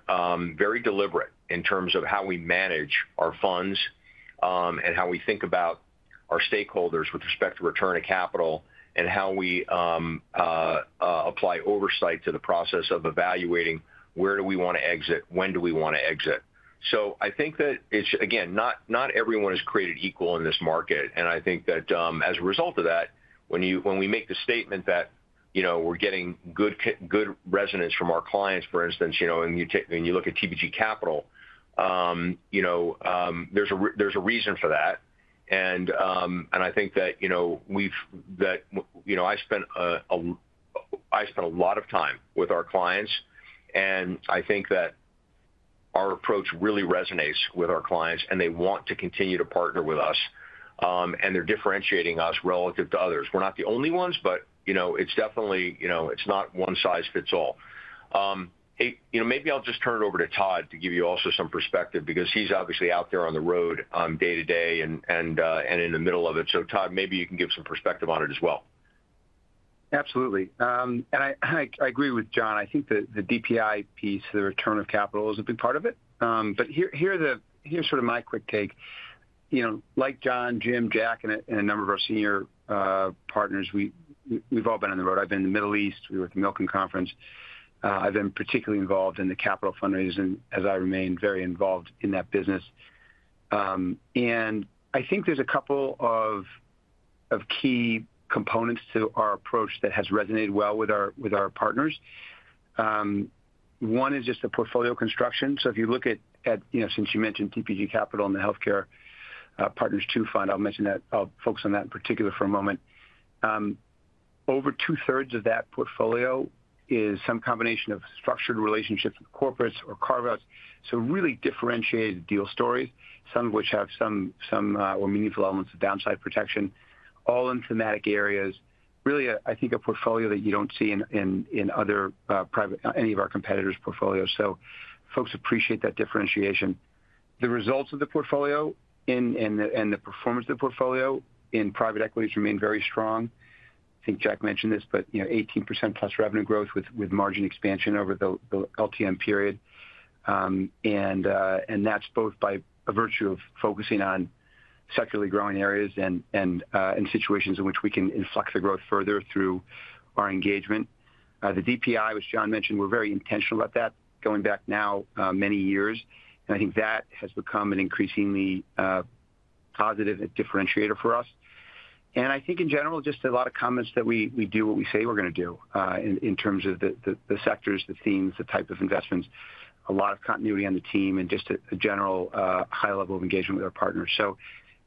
very deliberate in terms of how we manage our funds and how we think about our stakeholders with respect to return of capital and how we apply oversight to the process of evaluating where do we want to exit, when do we want to exit. I think that it's, again, not everyone is created equal in this market. I think that as a result of that, when we make the statement that we're getting good resonance from our clients, for instance, and you look at TPG Capital, there's a reason for that. I think that I spent a lot of time with our clients, and I think that our approach really resonates with our clients, and they want to continue to partner with us, and they're differentiating us relative to others. We're not the only ones, but it's definitely not one size fits all. Maybe I'll just turn it over to Todd to give you also some perspective because he's obviously out there on the road day-to-day and in the middle of it. Todd, maybe you can give some perspective on it as well. Absolutely. I agree with Jon. I think the DPI piece, the return of capital, is a big part of it. Here's sort of my quick take. Like Jon, Jim, Jack, and a number of our senior partners, we've all been on the road. I've been in the Middle East. We were at the Milken Conference. I've been particularly involved in the capital fundraisers and, as I remain, very involved in that business. I think there's a couple of key components to our approach that has resonated well with our partners. One is just the portfolio construction. If you look at, since you mentioned TPG Capital and the Healthcare Partners Fund, I'll mention that. I'll focus on that in particular for a moment. Over two-thirds of that portfolio is some combination of structured relationships with corporates or carve-outs. Really differentiated deal stories, some of which have some or meaningful elements of downside protection, all in thematic areas. Really, I think a portfolio that you do not see in any of our competitors' portfolios. Folks appreciate that differentiation. The results of the portfolio and the performance of the portfolio in private equities remain very strong. I think Jack mentioned this, but 18%+ revenue growth with margin expansion over the LTM period. That is both by virtue of focusing on sectorally growing areas and situations in which we can inflect the growth further through our engagement. The DPI, which Jon mentioned, we are very intentional about that going back now many years. I think that has become an increasingly positive differentiator for us. I think in general, just a lot of comments that we do what we say we're going to do in terms of the sectors, the themes, the type of investments, a lot of continuity on the team, and just a general high level of engagement with our partners.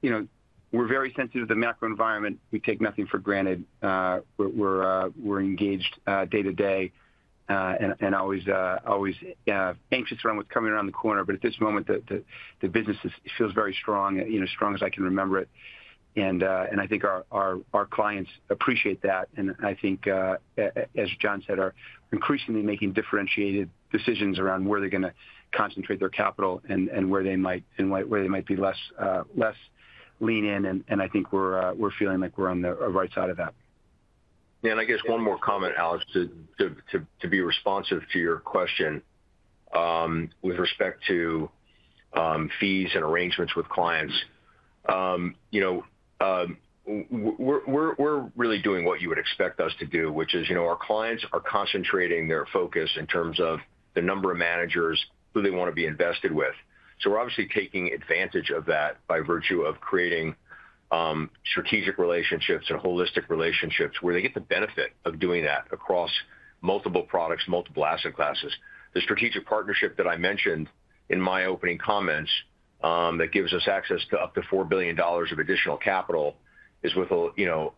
We are very sensitive to the macro environment. We take nothing for granted. We are engaged day-to-day and always anxious around what's coming around the corner. At this moment, the business feels very strong, as strong as I can remember it. I think our clients appreciate that. I think, as Jon said, are increasingly making differentiated decisions around where they're going to concentrate their capital and where they might be less lean in. I think we're feeling like we're on the right side of that. Yeah. I guess one more comment, Alex, to be responsive to your question with respect to fees and arrangements with clients. We're really doing what you would expect us to do, which is our clients are concentrating their focus in terms of the number of managers who they want to be invested with. We're obviously taking advantage of that by virtue of creating strategic relationships and holistic relationships where they get the benefit of doing that across multiple products, multiple asset classes. The strategic partnership that I mentioned in my opening comments that gives us access to up to $4 billion of additional capital is with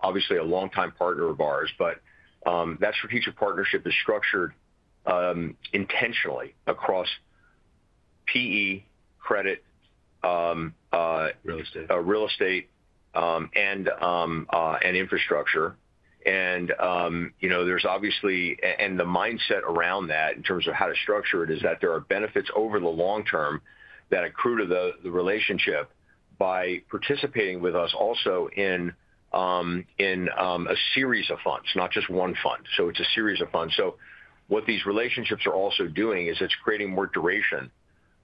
obviously a longtime partner of ours. That strategic partnership is structured intentionally across PE, credit, real estate, real estate and infrastructure. There is obviously, and the mindset around that in terms of how to structure it is that there are benefits over the long term that accrue to the relationship by participating with us also in a series of funds, not just one fund. It is a series of funds. What these relationships are also doing is creating more duration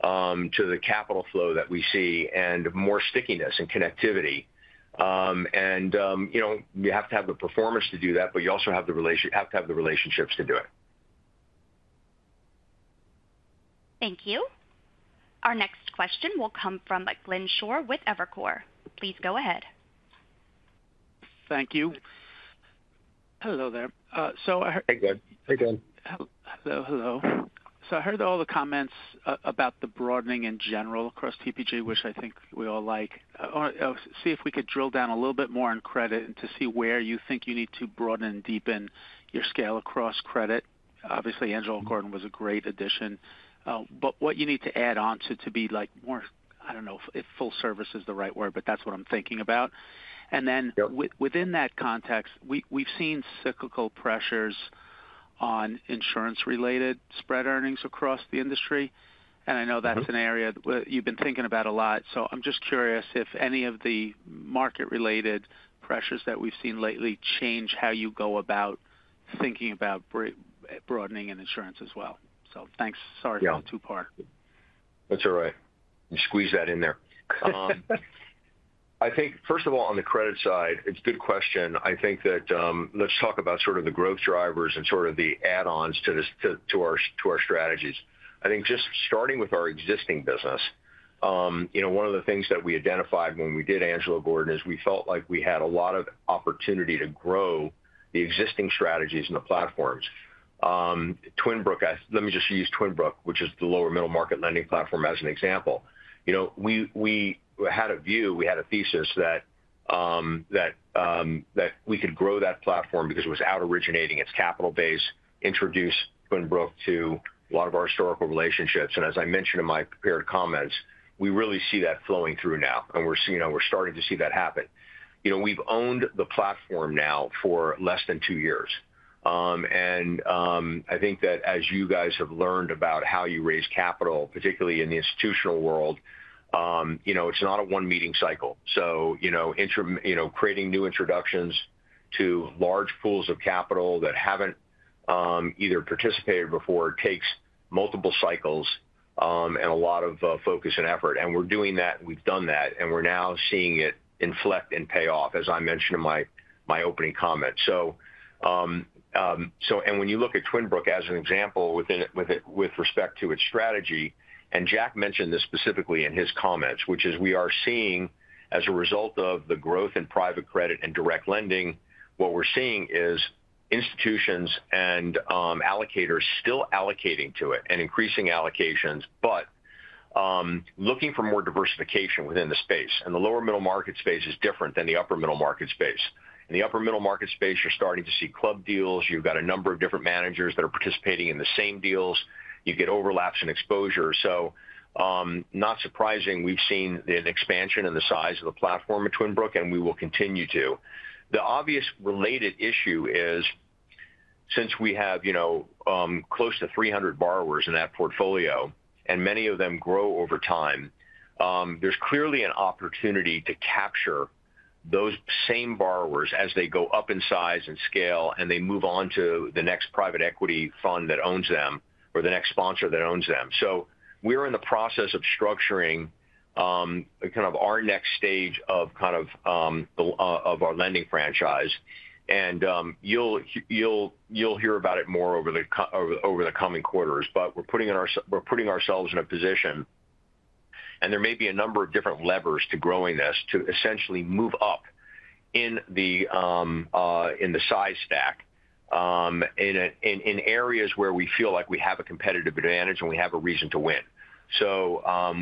to the capital flow that we see and more stickiness and connectivity. You have to have the performance to do that, but you also have to have the relationships to do it. Thank you. Our next question will come from Glenn Schorr with Evercore. Please go ahead. Thank you. Hello there. Hey, Glenn. Hey, Glenn. Hello. Hello. I heard all the comments about the broadening in general across TPG, which I think we all like. See if we could drill down a little bit more on credit and to see where you think you need to broaden and deepen your scale across credit. Obviously, Angelo Gordon was a great addition. What you need to add on to be more, I do not know if full service is the right word, but that is what I am thinking about. Within that context, we have seen cyclical pressures on insurance-related spread earnings across the industry. I know that is an area you have been thinking about a lot. I am just curious if any of the market-related pressures that we have seen lately change how you go about thinking about broadening and insurance as well. Thanks. Sorry for the two-part. That is all right. You squeezed that in there. I think, first of all, on the credit side, it is a good question. I think that let's talk about sort of the growth drivers and sort of the add-ons to our strategies. I think just starting with our existing business, one of the things that we identified when we did Angelo Gordon is we felt like we had a lot of opportunity to grow the existing strategies and the platforms. Twin Brook, let me just use Twin Brook, which is the lower middle market lending platform, as an example. We had a view, we had a thesis that we could grow that platform because it was out-originating. It's capital-based. Introduce Twin Brook to a lot of our historical relationships. As I mentioned in my prepared comments, we really see that flowing through now, and we're starting to see that happen. We've owned the platform now for less than two years. I think that as you guys have learned about how you raise capital, particularly in the institutional world, it's not a one-meeting cycle. Creating new introductions to large pools of capital that haven't either participated before takes multiple cycles and a lot of focus and effort. We're doing that, and we've done that, and we're now seeing it inflect and pay off, as I mentioned in my opening comment. When you look at Twin Brook as an example with respect to its strategy, and Jack mentioned this specifically in his comments, we are seeing as a result of the growth in private credit and direct lending, what we're seeing is institutions and allocators still allocating to it and increasing allocations, but looking for more diversification within the space. The lower middle market space is different than the upper middle market space. In the upper middle market space, you're starting to see club deals. You've got a number of different managers that are participating in the same deals. You get overlaps in exposure. Not surprising, we've seen the expansion and the size of the platform at Twin Brook, and we will continue to. The obvious related issue is since we have close to 300 borrowers in that portfolio, and many of them grow over time, there's clearly an opportunity to capture those same borrowers as they go up in size and scale, and they move on to the next private equity fund that owns them or the next sponsor that owns them. We're in the process of structuring kind of our next stage of kind of our lending franchise. You'll hear about it more over the coming quarters. We're putting ourselves in a position. There may be a number of different levers to growing this to essentially move up in the size stack in areas where we feel like we have a competitive advantage and we have a reason to win.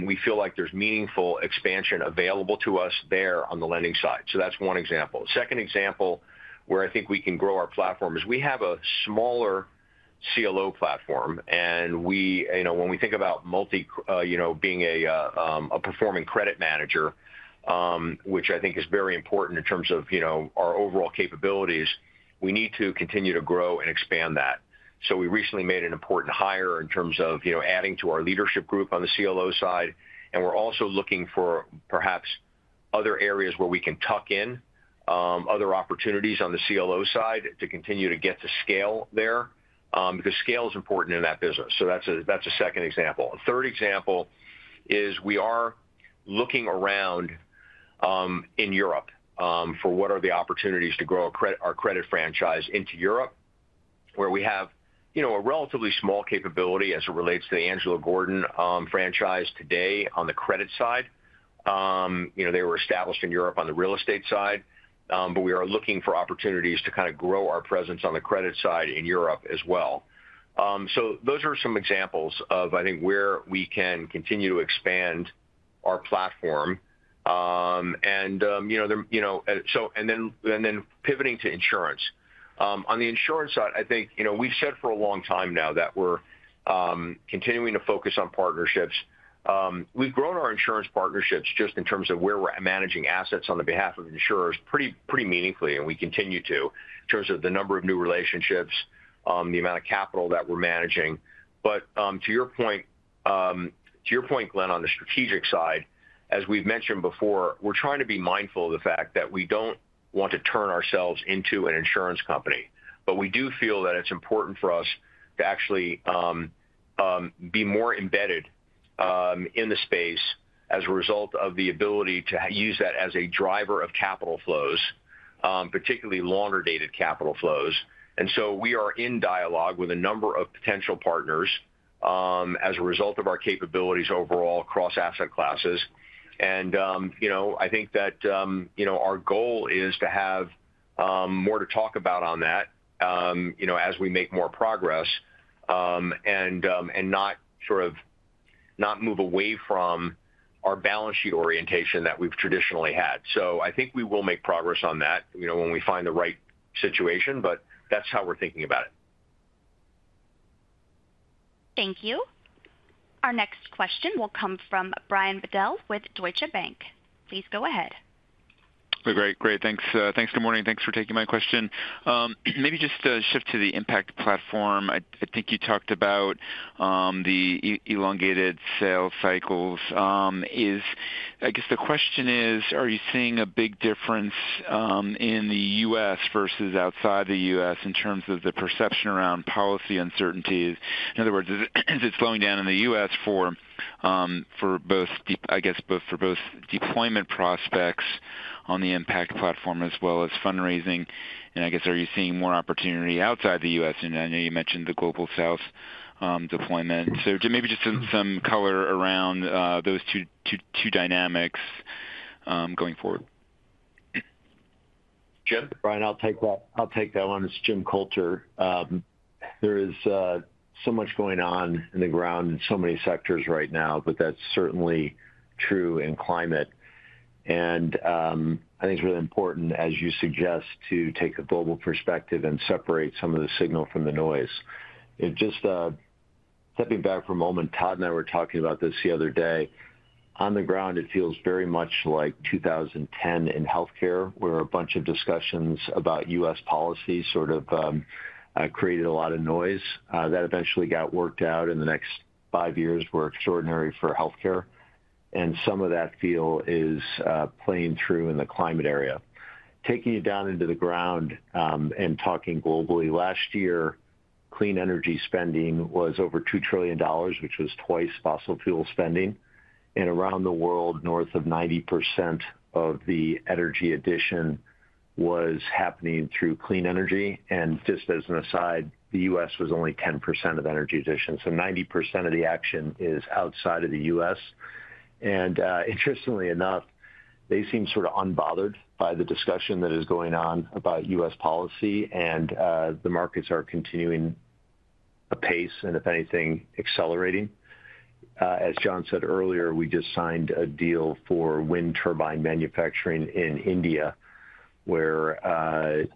We feel like there's meaningful expansion available to us there on the lending side. That's one example. A second example where I think we can grow our platform is we have a smaller CLO platform. When we think about multi being a performing credit manager, which I think is very important in terms of our overall capabilities, we need to continue to grow and expand that. We recently made an important hire in terms of adding to our leadership group on the CLO side. We're also looking for perhaps other areas where we can tuck in other opportunities on the CLO side to continue to get to scale there because scale is important in that business. That is a second example. A third example is we are looking around in Europe for what are the opportunities to grow our credit franchise into Europe, where we have a relatively small capability as it relates to the Angelo Gordon franchise today on the credit side. They were established in Europe on the real estate side, but we are looking for opportunities to kind of grow our presence on the credit side in Europe as well. Those are some examples of, I think, where we can continue to expand our platform. Then pivoting to insurance. On the insurance side, I think we've said for a long time now that we're continuing to focus on partnerships. We've grown our insurance partnerships just in terms of where we're managing assets on the behalf of insurers pretty meaningfully, and we continue to in terms of the number of new relationships, the amount of capital that we're managing. To your point, Glenn, on the strategic side, as we've mentioned before, we're trying to be mindful of the fact that we don't want to turn ourselves into an insurance company. We do feel that it's important for us to actually be more embedded in the space as a result of the ability to use that as a driver of capital flows, particularly longer-dated capital flows. We are in dialogue with a number of potential partners as a result of our capabilities overall across asset classes. I think that our goal is to have more to talk about on that as we make more progress and not move away from our balance sheet orientation that we've traditionally had. I think we will make progress on that when we find the right situation, but that's how we're thinking about it. Thank you. Our next question will come from Brian Bedell with Deutsche Bank. Please go ahead. Great. Thanks. Good morning. Thanks for taking my question. Maybe just to shift to the impact platform, I think you talked about the elongated sales cycles. I guess the question is, are you seeing a big difference in the U.S. versus outside the U.S. in terms of the perception around policy uncertainties? In other words, is it slowing down in the U.S. for both, I guess, both for both deployment prospects on the impact platform as well as fundraising? I guess, are you seeing more opportunity outside the U.S.? I know you mentioned the global sales deployment. Maybe just some color around those two dynamics going forward. Jim? Brian, I'll take that one. It's Jim Coulter. There is so much going on in the ground in so many sectors right now, but that's certainly true in climate. I think it's really important, as you suggest, to take a global perspective and separate some of the signal from the noise. Just stepping back for a moment, Todd and I were talking about this the other day. On the ground, it feels very much like 2010 in healthcare, where a bunch of discussions about U.S. policy sort of created a lot of noise. That eventually got worked out, and the next five years were extraordinary for healthcare. Some of that feel is playing through in the climate area. Taking it down into the ground and talking globally, last year, clean energy spending was over $2 trillion, which was twice fossil fuel spending. Around the world, north of 90% of the energy addition was happening through clean energy. Just as an aside, the U.S. was only 10% of energy addition. 90% of the action is outside of the U.S. Interestingly enough, they seem sort of unbothered by the discussion that is going on about U.S. policy, and the markets are continuing apace and, if anything, accelerating. As Jon said earlier, we just signed a deal for wind turbine manufacturing in India, where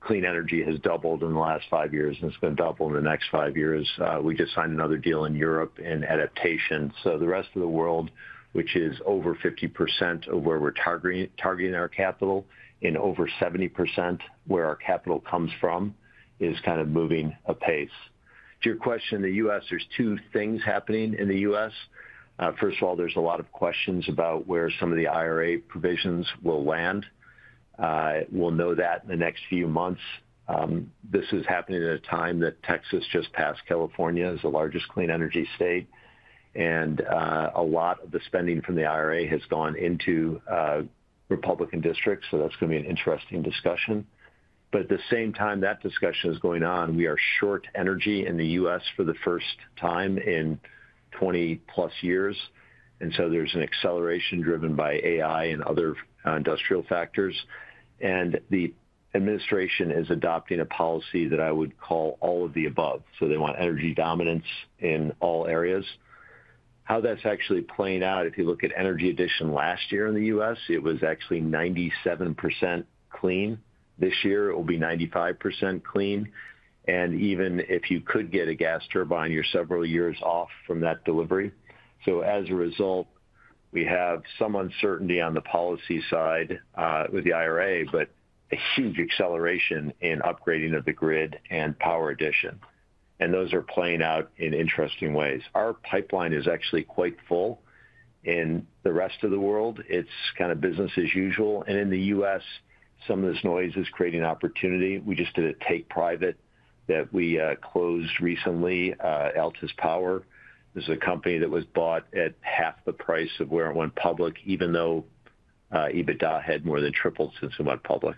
clean energy has doubled in the last five years and is going to double in the next five years. We just signed another deal in Europe in adaptation. The rest of the world, which is over 50% of where we're targeting our capital and over 70% where our capital comes from, is kind of moving apace. To your question, the U.S., there are two things happening in the U.S. First of all, there are a lot of questions about where some of the IRA provisions will land. We'll know that in the next few months. This is happening at a time that Texas just passed California as the largest clean energy state. A lot of the spending from the IRA has gone into Republican districts. That is going to be an interesting discussion. At the same time, that discussion is going on. We are short energy in the U.S. for the first time in 20+ years. There is an acceleration driven by AI and other industrial factors. The administration is adopting a policy that I would call all of the above. They want energy dominance in all areas. How that is actually playing out, if you look at energy addition last year in the U.S., it was actually 97% clean. This year, it will be 95% clean. Even if you could get a gas turbine, you are several years off from that delivery. As a result, we have some uncertainty on the policy side with the IRA, but a huge acceleration in upgrading of the grid and power addition. Those are playing out in interesting ways. Our pipeline is actually quite full. In the rest of the world, it's kind of business as usual. In the U.S., some of this noise is creating opportunity. We just did a take private that we closed recently. Altus Power is a company that was bought at half the price of where it went public, even though EBITDA had more than tripled since it went public.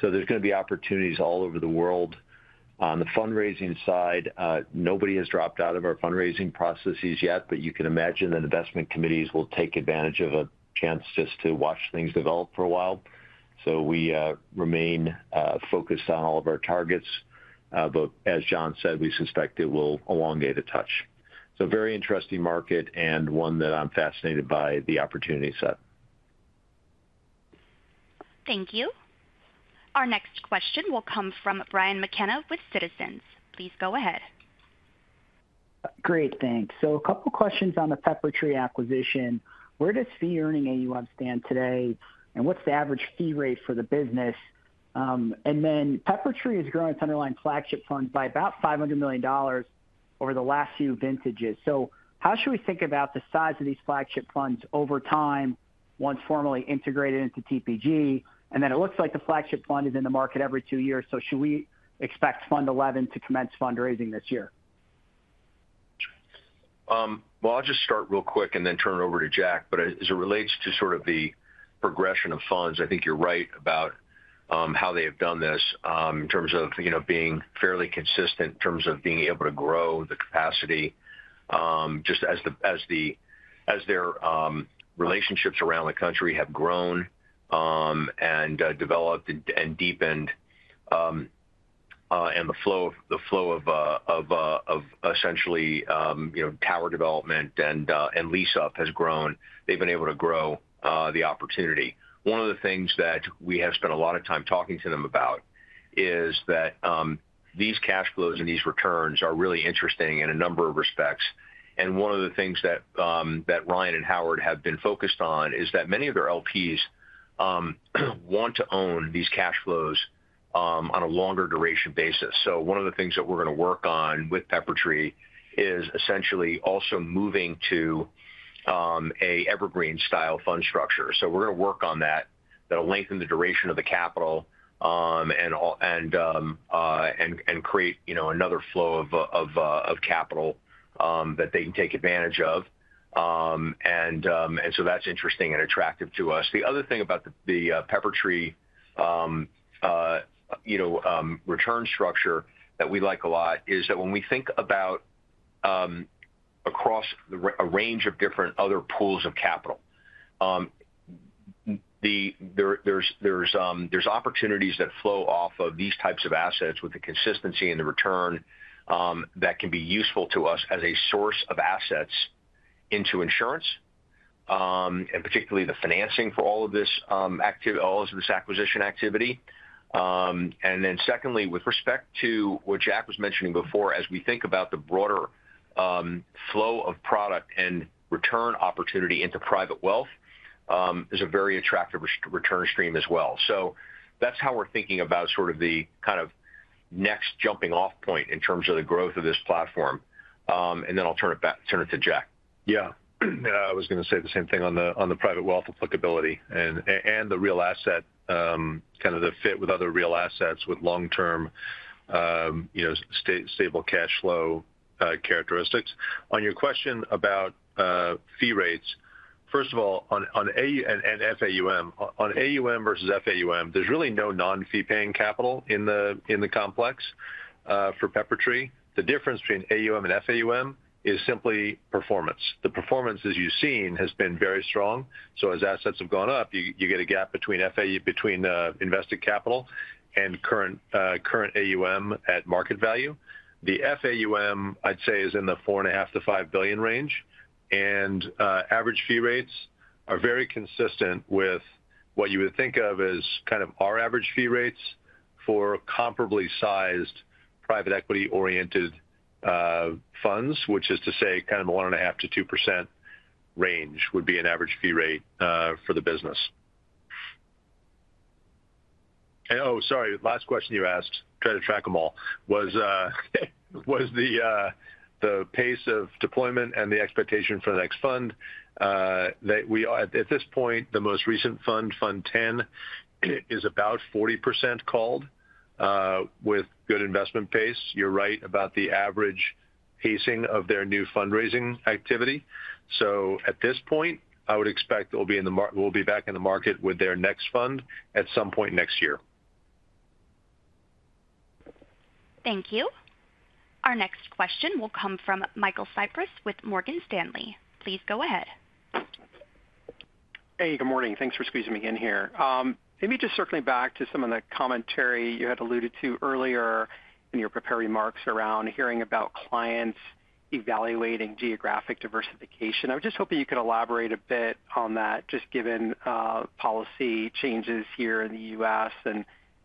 There's going to be opportunities all over the world. On the fundraising side, nobody has dropped out of our fundraising processes yet, but you can imagine that investment committees will take advantage of a chance just to watch things develop for a while. We remain focused on all of our targets. As Jon said, we suspect it will elongate a touch. Very interesting market and one that I'm fascinated by the opportunity set. Thank you. Our next question will come from Brian McKenna with Citizens. Please go ahead. Great. Thanks. A couple of questions on the Peppertree acquisition. Where does fee-earning AUM stand today, and what's the average fee rate for the business? Peppertree has grown its underlying flagship fund by about $500 million over the last few vintages. How should we think about the size of these flagship funds over time once formally integrated into TPG? It looks like the flagship fund is in the market every two years. Should we expect Fund 11 to commence fundraising this year? I'll just start real quick and then turn it over to Jack. As it relates to sort of the progression of funds, I think you're right about how they have done this in terms of being fairly consistent in terms of being able to grow the capacity just as their relationships around the country have grown and developed and deepened. The flow of essentially tower development and lease-up has grown. They've been able to grow the opportunity. One of the things that we have spent a lot of time talking to them about is that these cash flows and these returns are really interesting in a number of respects. One of the things that Ryan and Howard have been focused on is that many of their LPs want to own these cash flows on a longer duration basis. One of the things that we're going to work on with Peppertree is essentially also moving to an evergreen-style fund structure. We're going to work on that. That'll lengthen the duration of the capital and create another flow of capital that they can take advantage of. That is interesting and attractive to us. The other thing about the Peppertree return structure that we like a lot is that when we think about across a range of different other pools of capital, there are opportunities that flow off of these types of assets with the consistency and the return that can be useful to us as a source of assets into insurance and particularly the financing for all of this acquisition activity. Then secondly, with respect to what Jack was mentioning before, as we think about the broader flow of product and return opportunity into private wealth, there is a very attractive return stream as well. That is how we are thinking about sort of the kind of next jumping-off point in terms of the growth of this platform. I will turn it to Jack. Yeah. I was going to say the same thing on the private wealth applicability and the real asset, kind of the fit with other real assets with long-term stable cash flow characteristics. On your question about fee rates, first of all, on FAUM, on AUM versus FAUM, there is really no non-fee-paying capital in the complex for Peppertree. The difference between AUM and FAUM is simply performance. The performance, as you have seen, has been very strong. As assets have gone up, you get a gap between invested capital and current AUM at market value. The FAUM, I'd say, is in the $4.5 billion-$5 billion range. Average fee rates are very consistent with what you would think of as kind of our average fee rates for comparably sized private equity-oriented funds, which is to say kind of the 1.5%-2% range would be an average fee rate for the business. Oh, sorry. Last question you asked. Try to track them all. Was the pace of deployment and the expectation for the next fund that we at this point, the most recent fund, Fund 10, is about 40% called with good investment pace. You're right about the average pacing of their new fundraising activity. At this point, I would expect that we'll be back in the market with their next fund at some point next year. Thank you. Our next question will come from Michael Cyprys with Morgan Stanley. Please go ahead. Hey, good morning. Thanks for squeezing me in here. Maybe just circling back to some of the commentary you had alluded to earlier in your prepared remarks around hearing about clients evaluating geographic diversification. I was just hoping you could elaborate a bit on that, just given policy changes here in the U.S. and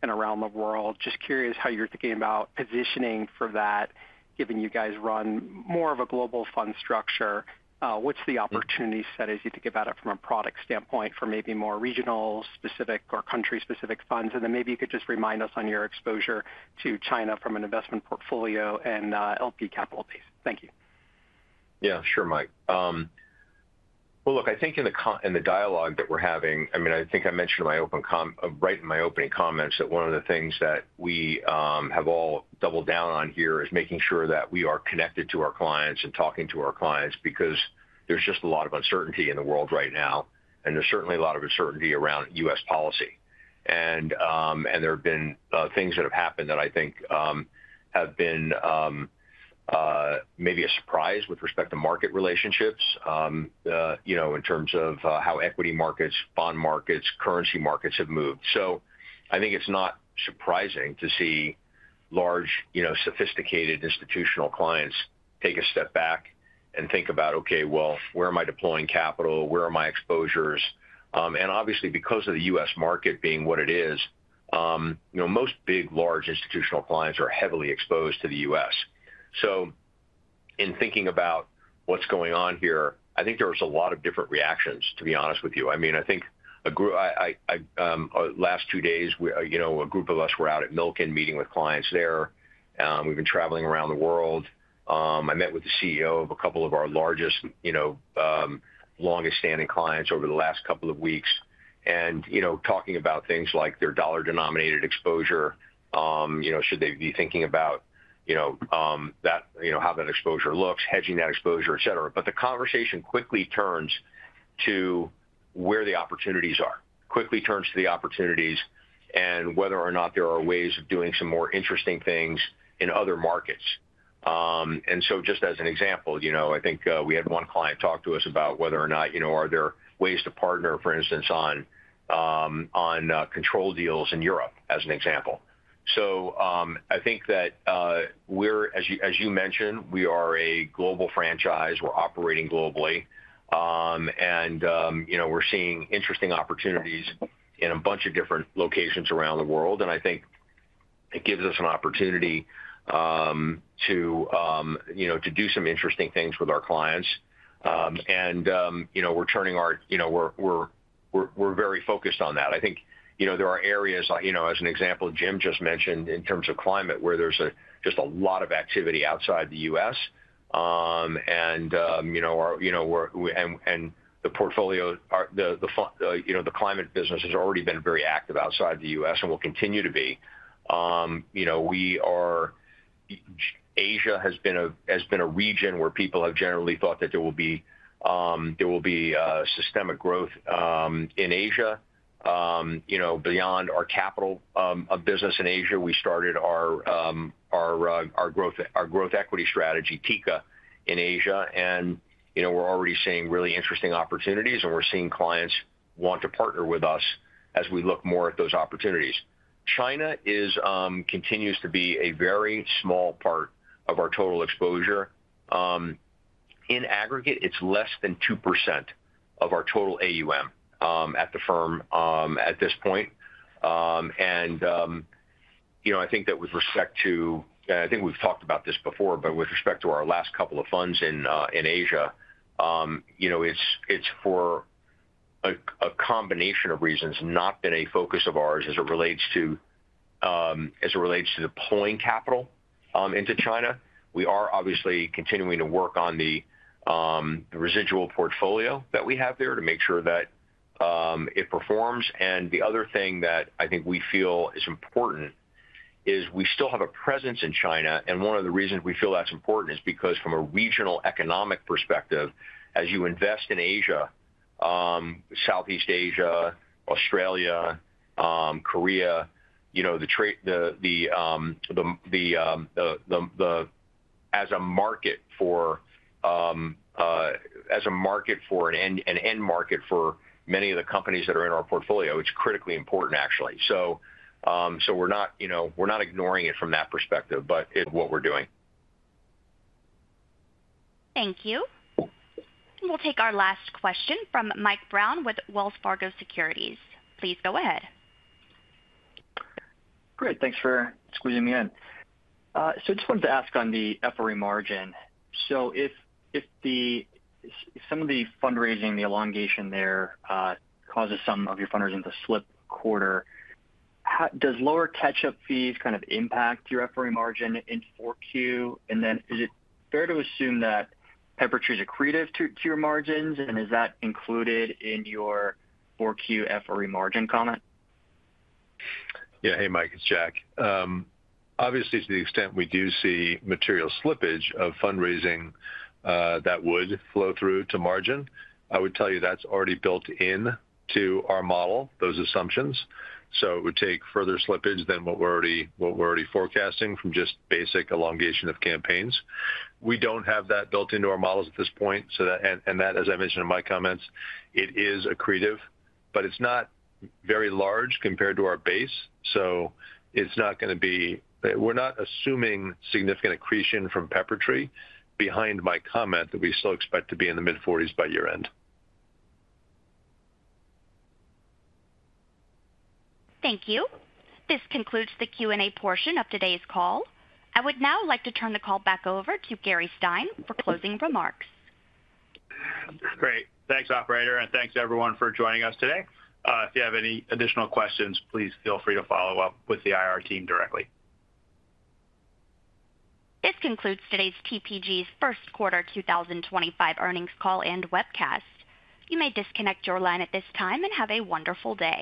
around the world. Just curious how you're thinking about positioning for that, given you guys run more of a global fund structure. What's the opportunity set as you think about it from a product standpoint for maybe more regional-specific or country-specific funds? Maybe you could just remind us on your exposure to China from an investment portfolio and LP capital base. Thank you. Yeah. Sure, Mike. I think in the dialogue that we're having, I think I mentioned right in my opening comments that one of the things that we have all doubled down on here is making sure that we are connected to our clients and talking to our clients because there's just a lot of uncertainty in the world right now. There's certainly a lot of uncertainty around U.S. policy. There have been things that have happened that I think have been maybe a surprise with respect to market relationships in terms of how equity markets, bond markets, currency markets have moved. I think it's not surprising to see large, sophisticated institutional clients take a step back and think about, "Okay, well, where am I deploying capital? Where are my exposures?" Obviously, because of the US market being what it is, most big, large institutional clients are heavily exposed to the U.S. In thinking about what's going on here, I think there was a lot of different reactions, to be honest with you. I mean, I think last two days, a group of us were out at Milken meeting with clients there. We've been traveling around the world. I met with the CEO of a couple of our largest, longest-standing clients over the last couple of weeks and talking about things like their dollar-denominated exposure. Should they be thinking about how that exposure looks, hedging that exposure, etc.? The conversation quickly turns to where the opportunities are, quickly turns to the opportunities and whether or not there are ways of doing some more interesting things in other markets. Just as an example, I think we had one client talk to us about whether or not there are ways to partner, for instance, on control deals in Europe, as an example. I think that, as you mentioned, we are a global franchise. We are operating globally. We are seeing interesting opportunities in a bunch of different locations around the world. I think it gives us an opportunity to do some interesting things with our clients. We are turning our—we are very focused on that. I think there are areas, as an example, Jim just mentioned in terms of climate, where there is just a lot of activity outside the U.S. Our—and the portfolio, the climate business has already been very active outside the U.S. and will continue to be. Asia has been a region where people have generally thought that there will be systemic growth in Asia. Beyond our capital of business in Asia, we started our growth equity strategy, TECA, in Asia. And we're already seeing really interesting opportunities. And we're seeing clients want to partner with us as we look more at those opportunities. China continues to be a very small part of our total exposure. In aggregate, it's less than 2% of our total AUM at the firm at this point. I think that with respect to—we've talked about this before, but with respect to our last couple of funds in Asia, it's for a combination of reasons not been a focus of ours as it relates to deploying capital into China. We are obviously continuing to work on the residual portfolio that we have there to make sure that it performs. The other thing that I think we feel is important is we still have a presence in China. One of the reasons we feel that's important is because from a regional economic perspective, as you invest in Asia, Southeast Asia, Australia, Korea, as a market for an end market for many of the companies that are in our portfolio, it's critically important, actually. We're not ignoring it from that perspective, but what we're doing. Thank you. We'll take our last question from Mike Brown with Wells Fargo Securities. Please go ahead. Great. Thanks for squeezing me in. I just wanted to ask on the FRE margin. If some of the fundraising, the elongation there, causes some of your fundraising to slip a quarter, does lower catch-up fees kind of impact your FRE margin in 4Q? Is it fair to assume that Peppertree is accretive to your margins? Is that included in your 4Q FRE margin comment? Yeah. Hey, Mike. It's Jack. Obviously, to the extent we do see material slippage of fundraising, that would flow through to margin. I would tell you that's already built into our model, those assumptions. It would take further slippage than what we're already forecasting from just basic elongation of campaigns. We don't have that built into our models at this point. As I mentioned in my comments, it is accretive, but it's not very large compared to our base. It's not going to be—we're not assuming significant accretion from Peppertree behind my comment that we still expect to be in the mid-40s by year-end. Thank you. This concludes the Q&A portion of today's call. I would now like to turn the call back over to Gary Stein for closing remarks. Great. Thanks, operator. And thanks everyone for joining us today. If you have any additional questions, please feel free to follow up with the IR team directly. This concludes today's TPG's first quarter 2025 earnings call and webcast. You may disconnect your line at this time and have a wonderful day.